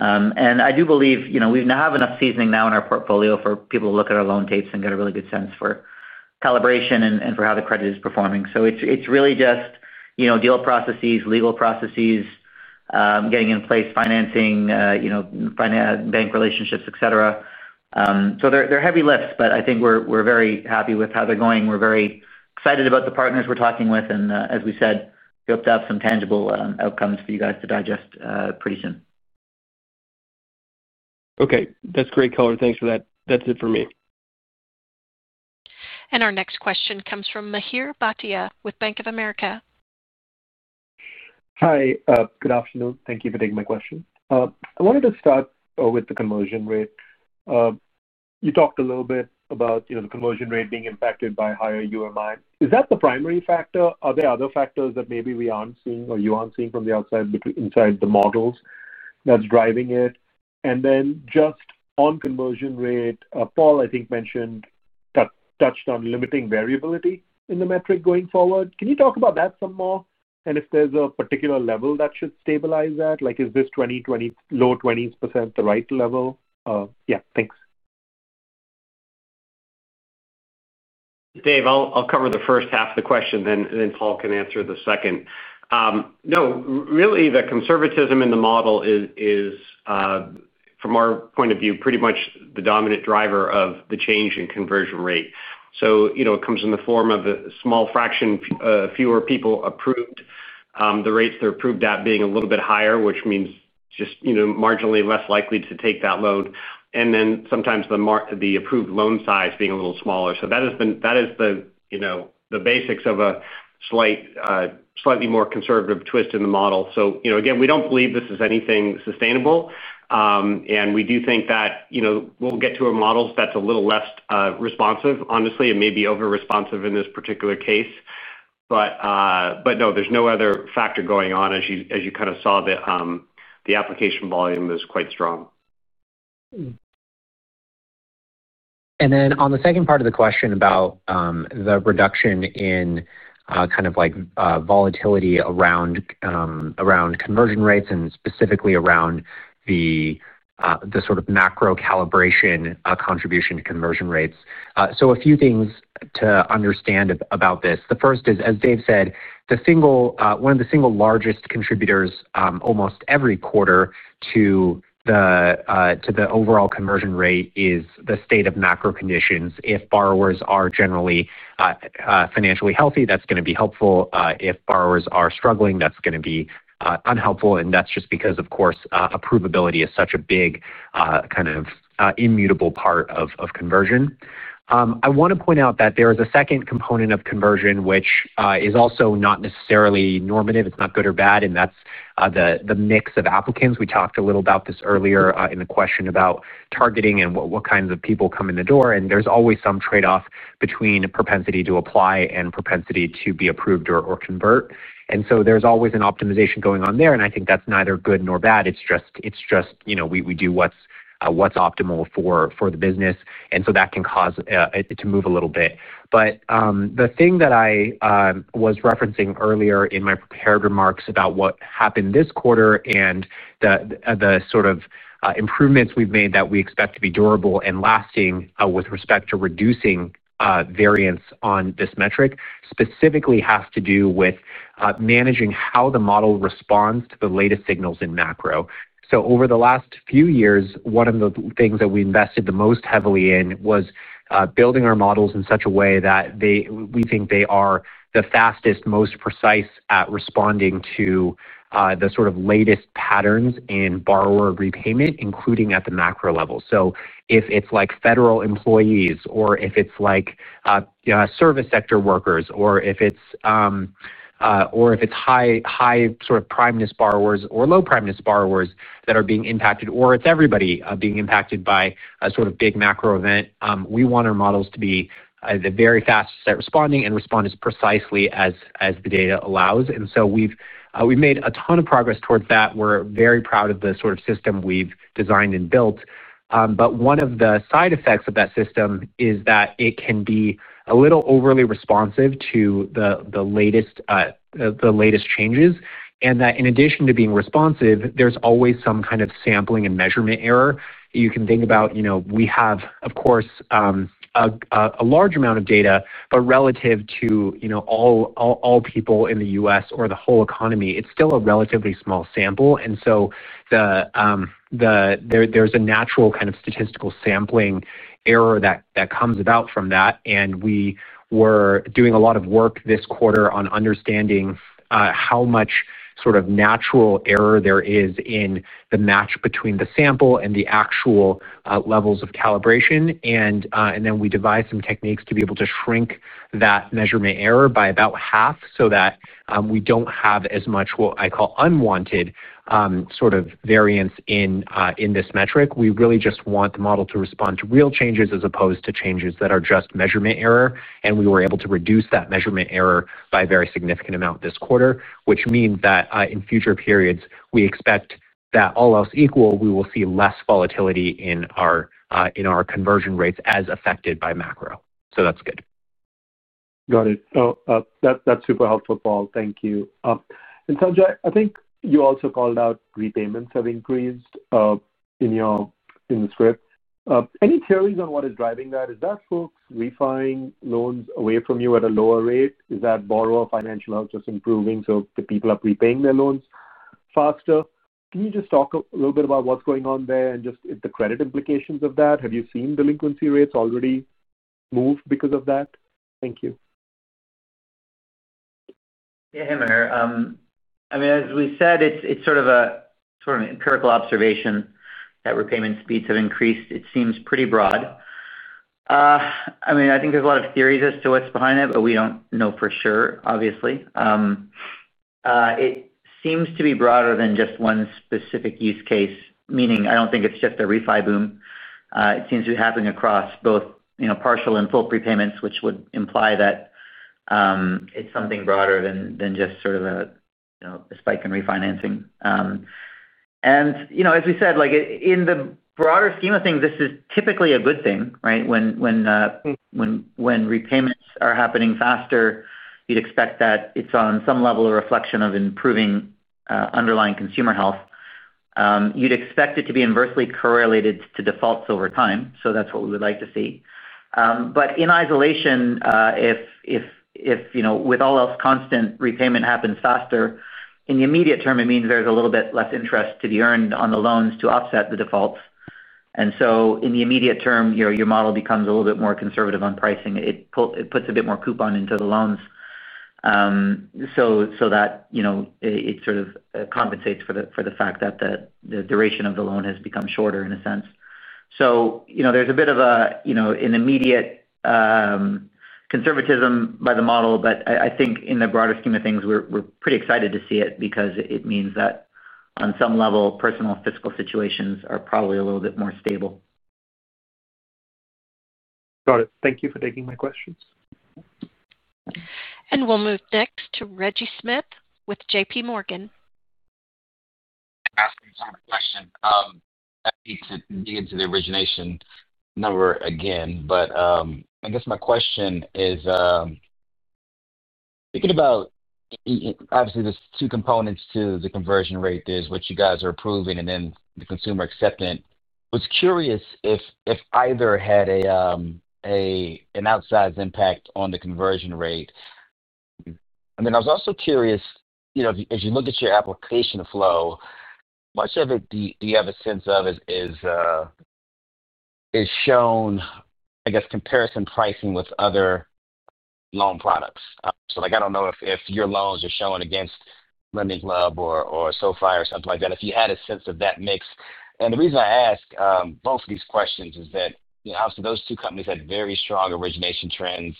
[SPEAKER 5] And I do believe we have enough seasoning now in our portfolio for people to look at our loan tapes and get a really good sense for calibration and for how the credit is performing. So it's really just deal processes, legal processes, getting in place, financing, bank relationships, etc. So they're heavy lifts, but I think we're very happy with how they're going. We're very excited about the partners we're talking with. And as we said, we hope to have some tangible outcomes for you guys to digest pretty soon.
[SPEAKER 10] Okay. That's great, color. Thanks for that. That's it for me.
[SPEAKER 1] Our next question comes from Mihir Bhatia with Bank of America.
[SPEAKER 11] Hi. Good afternoon. Thank you for taking my question. I wanted to start with the conversion rate. You talked a little bit about the conversion rate being impacted by higher UMI. Is that the primary factor? Are there other factors that maybe we aren't seeing or you aren't seeing from the outside inside the models that's driving it? And then just on conversion rate, Paul, I think, mentioned. Touched on limiting variability in the metric going forward. Can you talk about that some more? And if there's a particular level that should stabilize that, like is this 2020 low 20% the right level? Yeah. Thanks.
[SPEAKER 5] Dave, I'll cover the first half of the question, then Paul can answer the second. No, really, the conservatism in the model is, from our point of view, pretty much the dominant driver of the change in conversion rate. So it comes in the form of a small fraction, fewer people approved. The rates they're approved at being a little bit higher, which means just marginally less likely to take that loan. And then sometimes the approved loan size being a little smaller. So that is the basics of a slightly more conservative twist in the model. So again, we don't believe this is anything sustainable, and we do think that we'll get to a model that's a little less responsive, honestly. It may be over-responsive in this particular case. But no, there's no other factor going on. As you kind of saw, the application volume is quite strong.
[SPEAKER 4] And then on the second part of the question about the reduction in kind of volatility around conversion rates and specifically around the sort of macro calibration contribution to conversion rates. So a few things to understand about this. The first is, as Dave said, one of the single largest contributors almost every quarter to the overall conversion rate is the state of macro conditions. If borrowers are generally financially healthy, that's going to be helpful. If borrowers are struggling, that's going to be unhelpful, and that's just because, of course, approvability is such a big kind of immutable part of conversion. I want to point out that there is a second component of conversion, which is also not necessarily normative. It's not good or bad, and that's the mix of applicants. We talked a little about this earlier in the question about targeting and what kinds of people come in the door. And there's always some trade-off between propensity to apply and propensity to be approved or convert, and so there's always an optimization going on there. And I think that's neither good nor bad. It's just we do what's optimal for the business, and so that can cause it to move a little bit. But the thing that I was referencing earlier in my prepared remarks about what happened this quarter and the sort of improvements we've made that we expect to be durable and lasting with respect to reducing variance on this metric specifically has to do with managing how the model responds to the latest signals in macro. So over the last few years, one of the things that we invested the most heavily in was building our models in such a way that we think they are the fastest, most precise at responding to the sort of latest patterns in borrower repayment, including at the macro level. So if it's like federal employees or if it's like service sector workers or if it's. High sort of primeness borrowers or low primeness borrowers that are being impacted, or it's everybody being impacted by a sort of big macro event, we want our models to be the very fastest at responding and respond as precisely as the data allows. And so we've made a ton of progress towards that. We're very proud of the sort of system we've designed and built. But one of the side effects of that system is that it can be a little overly responsive to the latest changes. And that in addition to being responsive, there's always some kind of sampling and measurement error. You can think about we have, of course, a large amount of data, but relative to all people in the U.S. or the whole economy, it's still a relatively small sample. And so there's a natural kind of statistical sampling error that comes about from that. And we were doing a lot of work this quarter on understanding how much sort of natural error there is in the match between the sample and the actual levels of calibration. And then we devised some techniques to be able to shrink that measurement error by about half so that we don't have as much what I call unwanted sort of variance in this metric. We really just want the model to respond to real changes as opposed to changes that are just measurement error. And we were able to reduce that measurement error by a very significant amount this quarter, which means that in future periods, we expect that all else equal, we will see less volatility in our conversion rates as affected by macro. So that's good.
[SPEAKER 11] Got it. That's super helpful, Paul. Thank you. And Sanjay, I think you also called out repayments have increased. In the script. Any theories on what is driving that? Is that folks refinancing loans away from you at a lower rate? Is that borrower financial health just improving so the people are repaying their loans faster? Can you just talk a little bit about what's going on there and just the credit implications of that? Have you seen delinquency rates already move because of that? Thank you.
[SPEAKER 5] Yeah. Hey, Mahir. I mean, as we said, it's sort of an empirical observation that repayment speeds have increased. It seems pretty broad. I mean, I think there's a lot of theories as to what's behind it, but we don't know for sure, obviously. It seems to be broader than just one specific use case, meaning I don't think it's just a refi boom. It seems to be happening across both partial and full repayments, which would imply that it's something broader than just sort of a spike in refinancing, and as we said, in the broader scheme of things, this is typically a good thing, right? When repayments are happening faster, you'd expect that it's on some level a reflection of improving underlying consumer health. You'd expect it to be inversely correlated to defaults over time, so that's what we would like to see. But in isolation, if with all else constant repayment happens faster, in the immediate term it means there's a little bit less interest to be earned on the loans to offset the defaults, and so in the immediate term your model becomes a little bit more conservative on pricing. It puts a bit more coupon into the loans so that it sort of compensates for the fact that the duration of the loan has become shorter in a sense, so there's a bit of an immediate conservatism by the model. I think in the broader scheme of things we're pretty excited to see it because it means that on some level personal fiscal situations are probably a little bit more stable.
[SPEAKER 11] Got it. Thank you for taking my questions.
[SPEAKER 1] We'll move next to Reggie Smith with JP Morgan.
[SPEAKER 12] I'm asking the same question. That leads into the origination number again. But I guess my question is. Thinking about. Obviously, there's two components to the conversion rate. There's what you guys are approving and then the consumer acceptance. I was curious if either had. An outsized impact on the conversion rate. And then I was also curious, as you look at your application flow, much of it, do you have a sense of is. Shown, I guess, comparison pricing with other. Loan products? So I don't know if your loans are shown against. LendingClub or SoFi or something like that. If you had a sense of that mix. And the reason I ask both of these questions is that, obviously, those two companies had very strong origination trends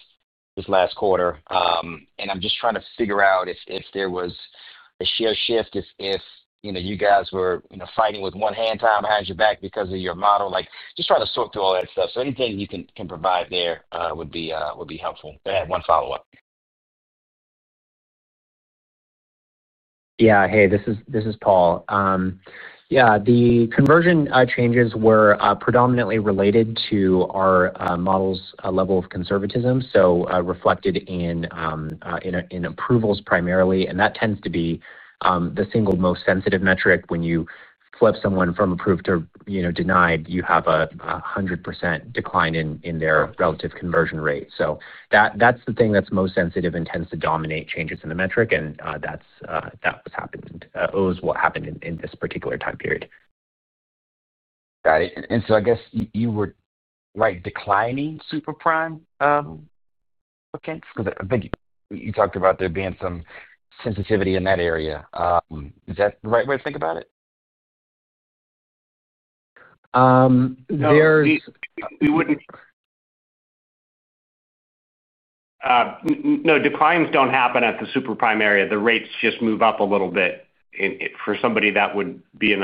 [SPEAKER 12] this last quarter. And I'm just trying to figure out if there was a share shift, if you guys were fighting with one hand tied behind your back because of your model. Just trying to sort through all that stuff. So anything you can provide there would be helpful. I had one follow-up.
[SPEAKER 4] Yeah. Hey, this is Paul. Yeah. The conversion changes were predominantly related to our model's level of conservatism, so reflected in approvals primarily. And that tends to be the single most sensitive metric. When you flip someone from approved to denied, you have a 100% decline in their relative conversion rate. So that's the thing that's most sensitive and tends to dominate changes in the metric. And that was what happened in this particular time period.
[SPEAKER 12] Got it. And so I guess you were declining superprime applicants? Because I think you talked about there being some sensitivity in that area. Is that the right way to think about it?
[SPEAKER 4] No. No, declines don't happen at the superprime area. The rates just move up a little bit. For somebody that would be in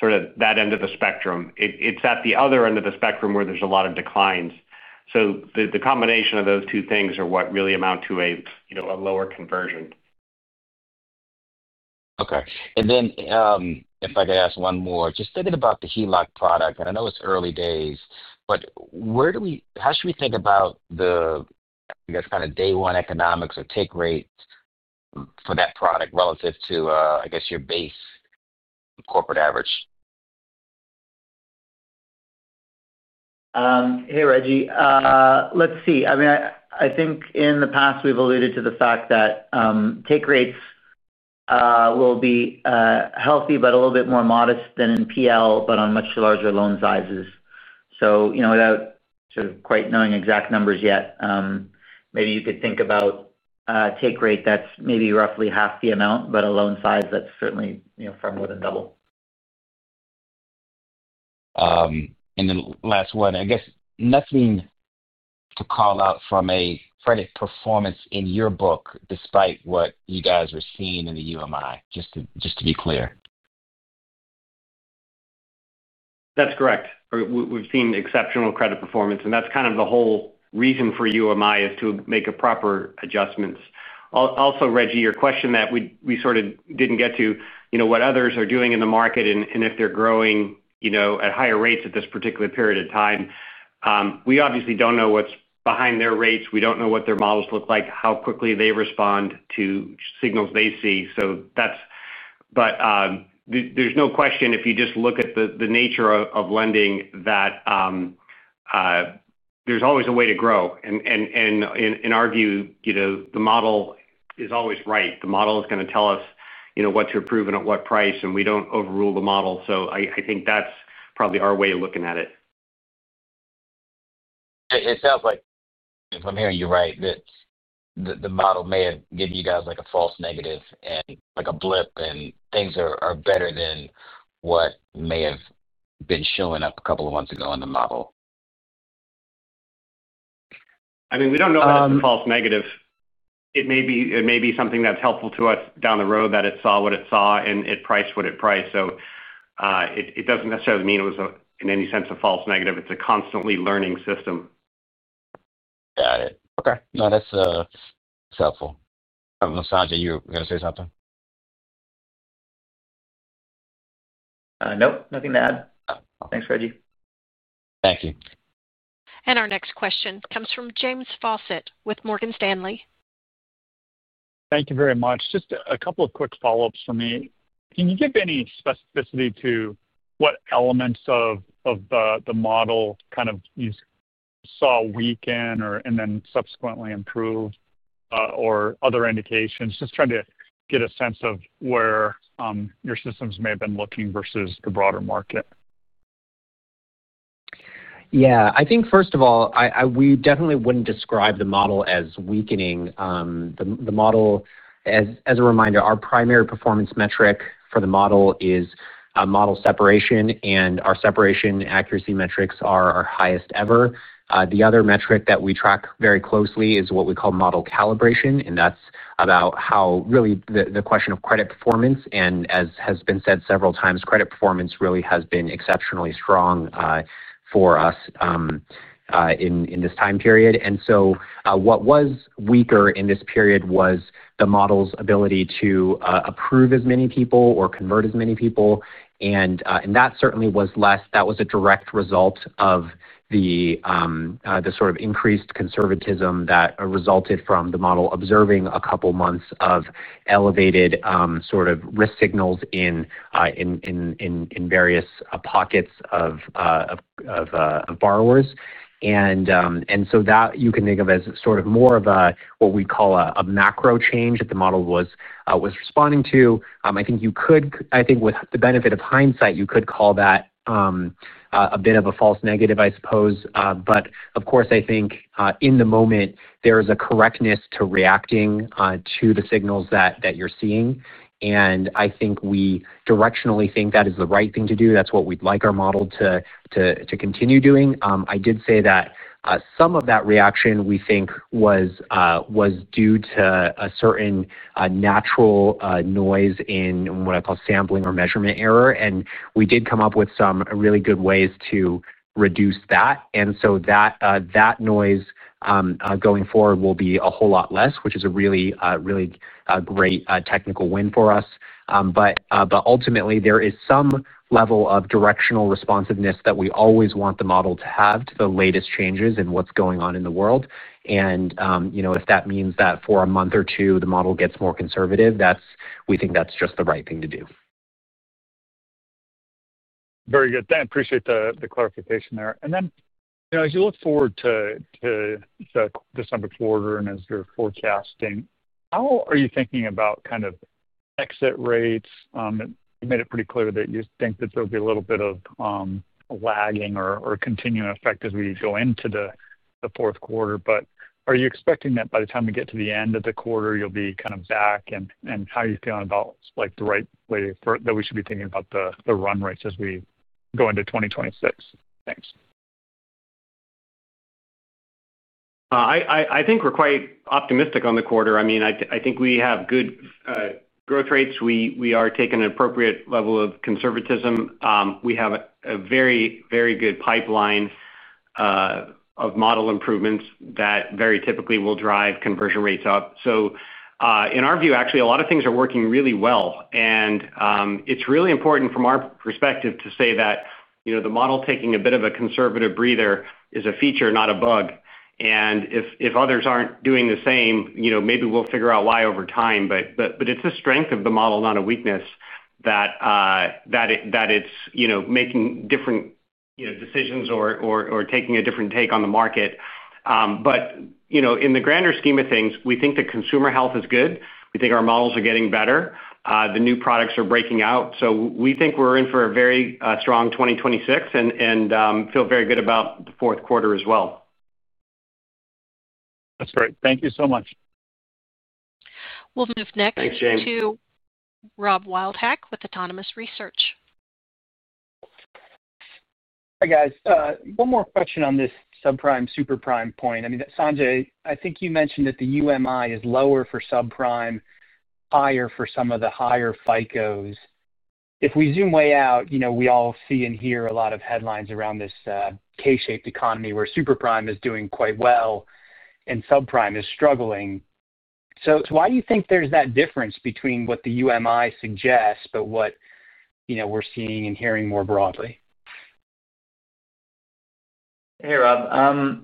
[SPEAKER 4] sort of that end of the spectrum. It's at the other end of the spectrum where there's a lot of declines. So the combination of those two things are what really amount to a lower conversion.
[SPEAKER 12] Okay. And then if I could ask one more, just thinking about the HELOC product, and I know it's early days, but how should we think about the, I guess, kind of day-one economics or take rate for that product relative to, I guess, your base corporate average?
[SPEAKER 5] Hey, Reggie. Let's see. I mean, I think in the past, we've alluded to the fact that take rates will be healthy but a little bit more modest than in PL, but on much larger loan sizes. So without sort of quite knowing exact numbers yet, maybe you could think about a take rate that's maybe roughly half the amount, but a loan size that's certainly far more than double.
[SPEAKER 12] And then last one, I guess nothing to call out from a credit performance in your book, despite what you guys were seeing in the UMI, just to be clear.
[SPEAKER 5] That's correct. We've seen exceptional credit performance, and that's kind of the whole reason for UMI is to make proper adjustments. Also, Reggie, your question that we sort of didn't get to, what others are doing in the market and if they're growing at higher rates at this particular period of time, we obviously don't know what's behind their rates. We don't know what their models look like, how quickly they respond to signals they see. There's no question if you just look at the nature of lending. There's always a way to grow, and in our view, the model is always right. The model is going to tell us what to approve and at what price, and we don't overrule the model, so I think that's probably our way of looking at it.
[SPEAKER 12] It sounds like, if I'm hearing you right, that the model may have given you guys a false negative and a blip, and things are better than what may have been showing up a couple of months ago in the model.
[SPEAKER 5] I mean, we don't know that it's a false negative. It may be something that's helpful to us down the road that it saw what it saw, and it priced what it priced. So. It doesn't necessarily mean it was in any sense a false negative. It's a constantly learning system.
[SPEAKER 12] Got it. Okay. No, that's helpful. Sanjay, you were going to say something?
[SPEAKER 5] Nope. Nothing to add. Thanks, Reggie.
[SPEAKER 12] Thank you.
[SPEAKER 1] Our next question comes from James Fawcett with Morgan Stanley.
[SPEAKER 13] Thank you very much. Just a couple of quick follow-ups for me. Can you give any specificity to what elements of the model kind of you saw weaken and then subsequently improve or other indications? Just trying to get a sense of where your systems may have been looking versus the broader market.
[SPEAKER 5] Yeah. I think, first of all, we definitely wouldn't describe the model as weakening. The model, as a reminder, our primary performance metric for the model is model separation. And our separation accuracy metrics are our highest ever. The other metric that we track very closely is what we call model calibration. And that's about how, really, the question of credit performance. And as has been said several times, credit performance really has been exceptionally strong for us in this time period. And so what was weaker in this period was the model's ability to approve as many people or convert as many people. And that certainly was less. That was a direct result of the sort of increased conservatism that resulted from the model observing a couple of months of elevated sort of risk signals in various pockets of borrowers. And so that you can think of as sort of more of what we call a macro change that the model was responding to. I think you could, I think, with the benefit of hindsight, you could call that a bit of a false negative, I suppose. But of course, I think in the moment, there is a correctness to reacting to the signals that you're seeing. And I think we directionally think that is the right thing to do. That's what we'd like our model to continue doing. I did say that. Some of that reaction we think was due to a certain natural noise in what I call sampling or measurement error. And we did come up with some really good ways to reduce that. And so that noise going forward will be a whole lot less, which is a really, really great technical win for us. But ultimately, there is some level of directional responsiveness that we always want the model to have to the latest changes and what's going on in the world. And if that means that for a month or two, the model gets more conservative, we think that's just the right thing to do.
[SPEAKER 13] Very good. Thank you. I appreciate the clarification there. And then as you look forward to December quarter and as you're forecasting, how are you thinking about kind of exit rates? You made it pretty clear that you think that there'll be a little bit of lagging or continuing effect as we go into the fourth quarter. But are you expecting that by the time we get to the end of the quarter, you'll be kind of back? And how are you feeling about the right way that we should be thinking about the run rates as we go into 2026? Thanks.
[SPEAKER 5] I think we're quite optimistic on the quarter. I mean, I think we have good growth rates. We are taking an appropriate level of conservatism. We have a very, very good pipeline of model improvements that very typically will drive conversion rates up. So in our view, actually, a lot of things are working really well, and it's really important from our perspective to say that. The model taking a bit of a conservative breather is a feature, not a bug, and if others aren't doing the same, maybe we'll figure out why over time, but it's a strength of the model, not a weakness, that it's making different decisions or taking a different take on the market, but in the grander scheme of things, we think that consumer health is good. We think our models are getting better. The new products are breaking out. So we think we're in for a very strong 2026 and feel very good about the fourth quarter as well.
[SPEAKER 13] That's great. Thank you so much.
[SPEAKER 1] We'll move next to.
[SPEAKER 5] Thanks, James.
[SPEAKER 1] Rob Wildhack with Autonomous Research.
[SPEAKER 14] Hi, guys. One more question on this subprime/superprime point. I mean, Sanjay, I think you mentioned that the UMI is lower for subprime, higher for some of the higher FICOs. If we zoom way out, we all see and hear a lot of headlines around this K-shaped economy where superprime is doing quite well. And subprime is struggling. So why do you think there's that difference between what the UMI suggests but what we're seeing and hearing more broadly?
[SPEAKER 4] Hey, Rob.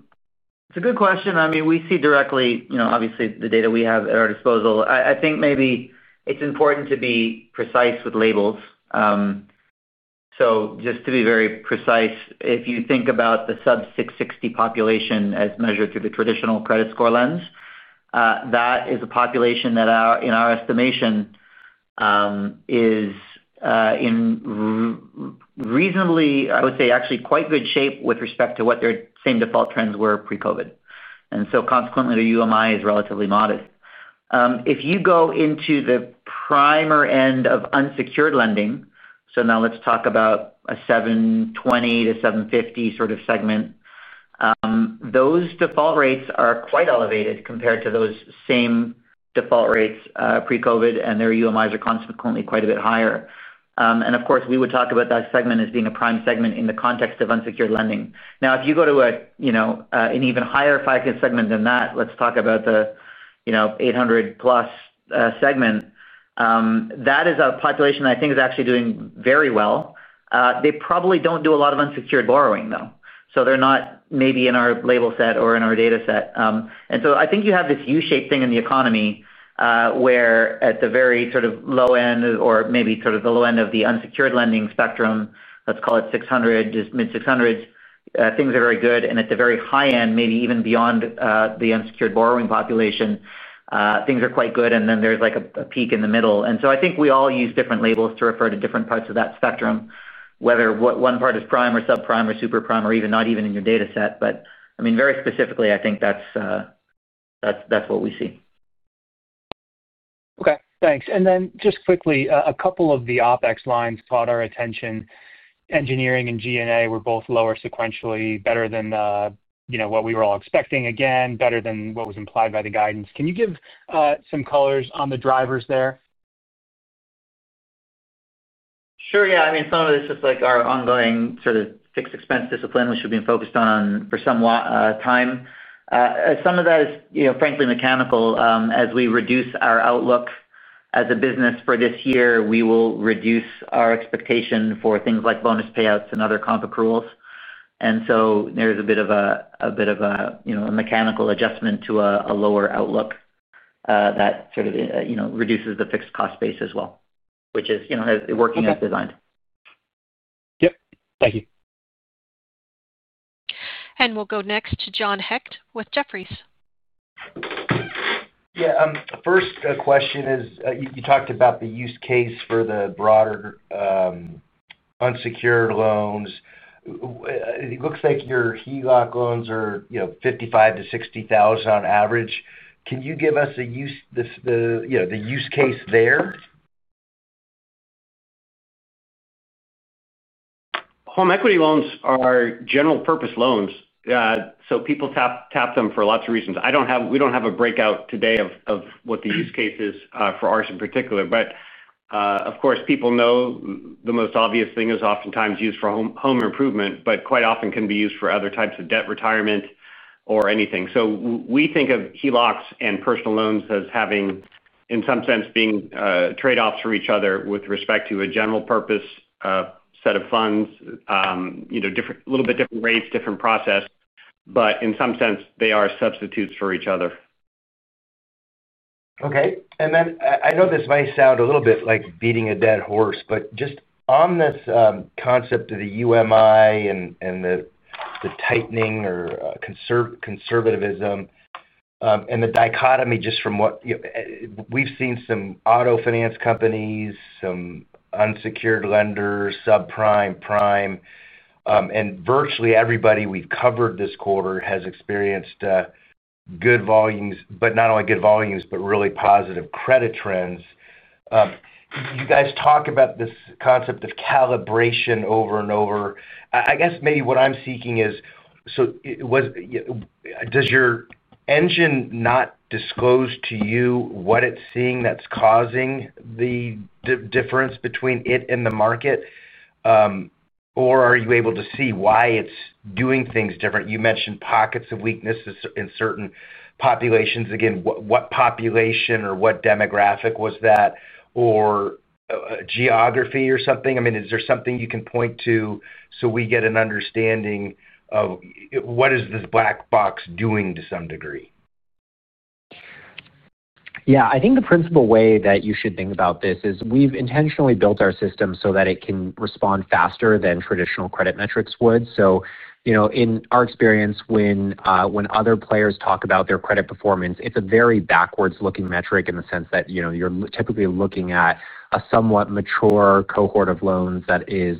[SPEAKER 4] It's a good question. I mean, we see directly, obviously, the data we have at our disposal. I think maybe it's important to be precise with labels. So just to be very precise, if you think about the sub-660 population as measured through the traditional credit score lens, that is a population that, in our estimation, is in reasonably, I would say, actually quite good shape with respect to what their same default trends were pre-COVID. And so consequently, the UMI is relatively modest. If you go into the primary end of unsecured lending, so now let's talk about a 720-750 sort of segment. Those default rates are quite elevated compared to those same default rates pre-COVID, and their UMIs are consequently quite a bit higher. And of course, we would talk about that segment as being a prime segment in the context of unsecured lending. Now, if you go to an even higher FICO segment than that, let's talk about the 800+ segment. That is a population that I think is actually doing very well. They probably don't do a lot of unsecured borrowing, though. So they're not maybe in our label set or in our data set. And so I think you have this U-shaped thing in the economy. Where at the very sort of low end or maybe sort of the low end of the unsecured lending spectrum, let's call it mid-600s, things are very good. And at the very high end, maybe even beyond the unsecured borrowing population, things are quite good. And then there's a peak in the middle. And so I think we all use different labels to refer to different parts of that spectrum, whether one part is prime or subprime or superprime or even not even in your data set. But I mean, very specifically, I think that's what we see.
[SPEAKER 14] Okay. Thanks. And then just quickly, a couple of the OpEx lines caught our attention. Engineering and G&A were both lower sequentially, better than what we were all expecting, again, better than what was implied by the guidance. Can you give some colors on the drivers there?
[SPEAKER 4] Sure. Yeah. I mean, some of this is our ongoing sort of fixed expense discipline, which we've been focused on for some time. Some of that is, frankly, mechanical. As we reduce our outlook as a business for this year, we will reduce our expectation for things like bonus payouts and other comp accruals. And so there's a bit of a mechanical adjustment to a lower outlook that sort of reduces the fixed cost base as well, which is working as designed.
[SPEAKER 14] Yep. Thank you.
[SPEAKER 1] We'll go next to John Hecht with Jefferies.
[SPEAKER 15] Yeah. First question is, you talked about the use case for the broader. Unsecured loans. It looks like your HELOC loans are $55,000-$60,000 on average. Can you give us the use case there?
[SPEAKER 5] Home equity loans are general-purpose loans. So people tap them for lots of reasons. We don't have a breakout today of what the use case is for ours in particular. But of course, people know the most obvious thing is oftentimes used for home improvement, but quite often can be used for other types of debt retirement or anything. So we think of HELOCs and personal loans as having, in some sense, being trade-offs for each other with respect to a general-purpose set of funds. A little bit different rates, different process. But in some sense, they are substitutes for each other.
[SPEAKER 15] Okay. And then I know this might sound a little bit like beating a dead horse, but just on this concept of the UMI and the tightening or conservatism. And the dichotomy just from what we've seen some auto finance companies, some unsecured lenders, subprime, prime. And virtually everybody we've covered this quarter has experienced good volumes, but not only good volumes, but really positive credit trends. You guys talk about this concept of calibration over and over. I guess maybe what I'm seeking is, so does your engine not disclose to you what it's seeing that's causing the difference between it and the market? Or are you able to see why it's doing things different? You mentioned pockets of weaknesses in certain populations. Again, what population or what demographic was that? Or geography or something? I mean, is there something you can point to so we get an understanding of what is this black box doing to some degree?
[SPEAKER 5] Yeah. I think the principal way that you should think about this is we've intentionally built our system so that it can respond faster than traditional credit metrics would. So, in our experience, when other players talk about their credit performance, it's a very backwards-looking metric in the sense that you're typically looking at a somewhat mature cohort of loans that is,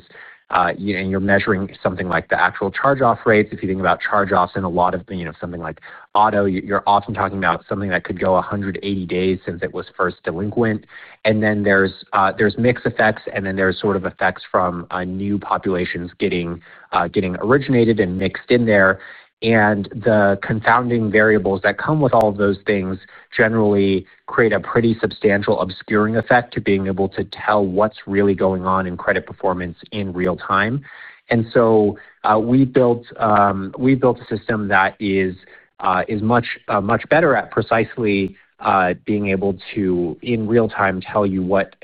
[SPEAKER 5] and you're measuring something like the actual charge-off rates. If you think about charge-offs in a lot of something like auto, you're often talking about something that could go 180 days since it was first delinquent. And then there's mixed effects, and then there's sort of effects from new populations getting originated and mixed in there. And the confounding variables that come with all of those things generally create a pretty substantial obscuring effect to being able to tell what's really going on in credit performance in real time. And so we've built a system that is much better at precisely being able to, in real time, tell you what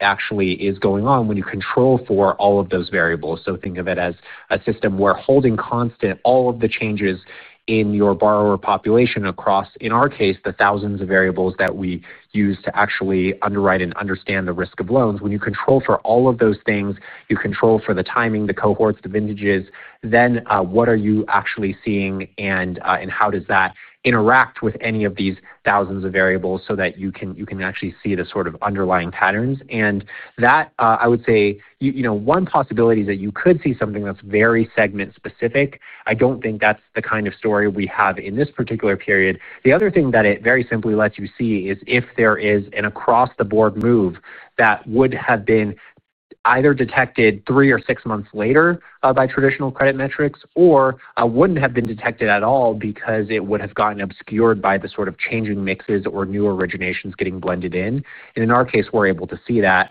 [SPEAKER 5] actually is going on when you control for all of those variables. So think of it as a system where holding constant all of the changes in your borrower population across, in our case, the thousands of variables that we use to actually underwrite and understand the risk of loans. When you control for all of those things, you control for the timing, the cohorts, the vintages, then what are you actually seeing and how does that interact with any of these thousands of variables so that you can actually see the sort of underlying patterns? And that, I would say, one possibility is that you could see something that's very segment-specific. I don't think that's the kind of story we have in this particular period. The other thing that it very simply lets you see is if there is an across-the-board move that would have been either detected three or six months later by traditional credit metrics or wouldn't have been detected at all because it would have gotten obscured by the sort of changing mixes or new originations getting blended in. And in our case, we're able to see that.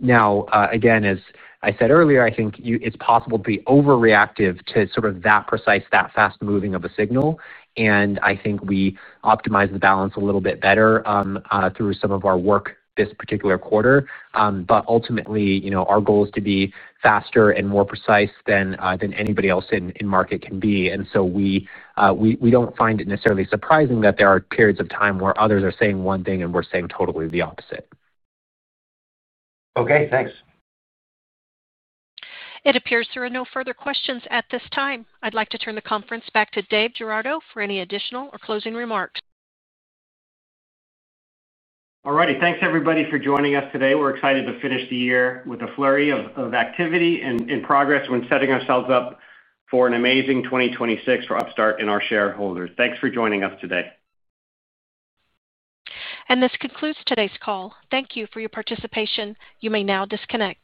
[SPEAKER 5] Now, again, as I said earlier, I think it's possible to be overreactive to sort of that precise, that fast-moving of a signal. And I think we optimize the balance a little bit better through some of our work this particular quarter. But ultimately, our goal is to be faster and more precise than anybody else in market can be. And so we don't find it necessarily surprising that there are periods of time where others are saying one thing and we're saying totally the opposite.
[SPEAKER 15] Okay. Thanks.
[SPEAKER 1] It appears there are no further questions at this time. I'd like to turn the conference back to Dave Girouard for any additional or closing remarks.
[SPEAKER 3] All righty. Thanks, everybody, for joining us today. We're excited to finish the year with a flurry of activity and progress when setting ourselves up for an amazing 2026, Upstart, and our shareholders. Thanks for joining us today.
[SPEAKER 1] This concludes today's call. Thank you for your participation. You may now disconnect.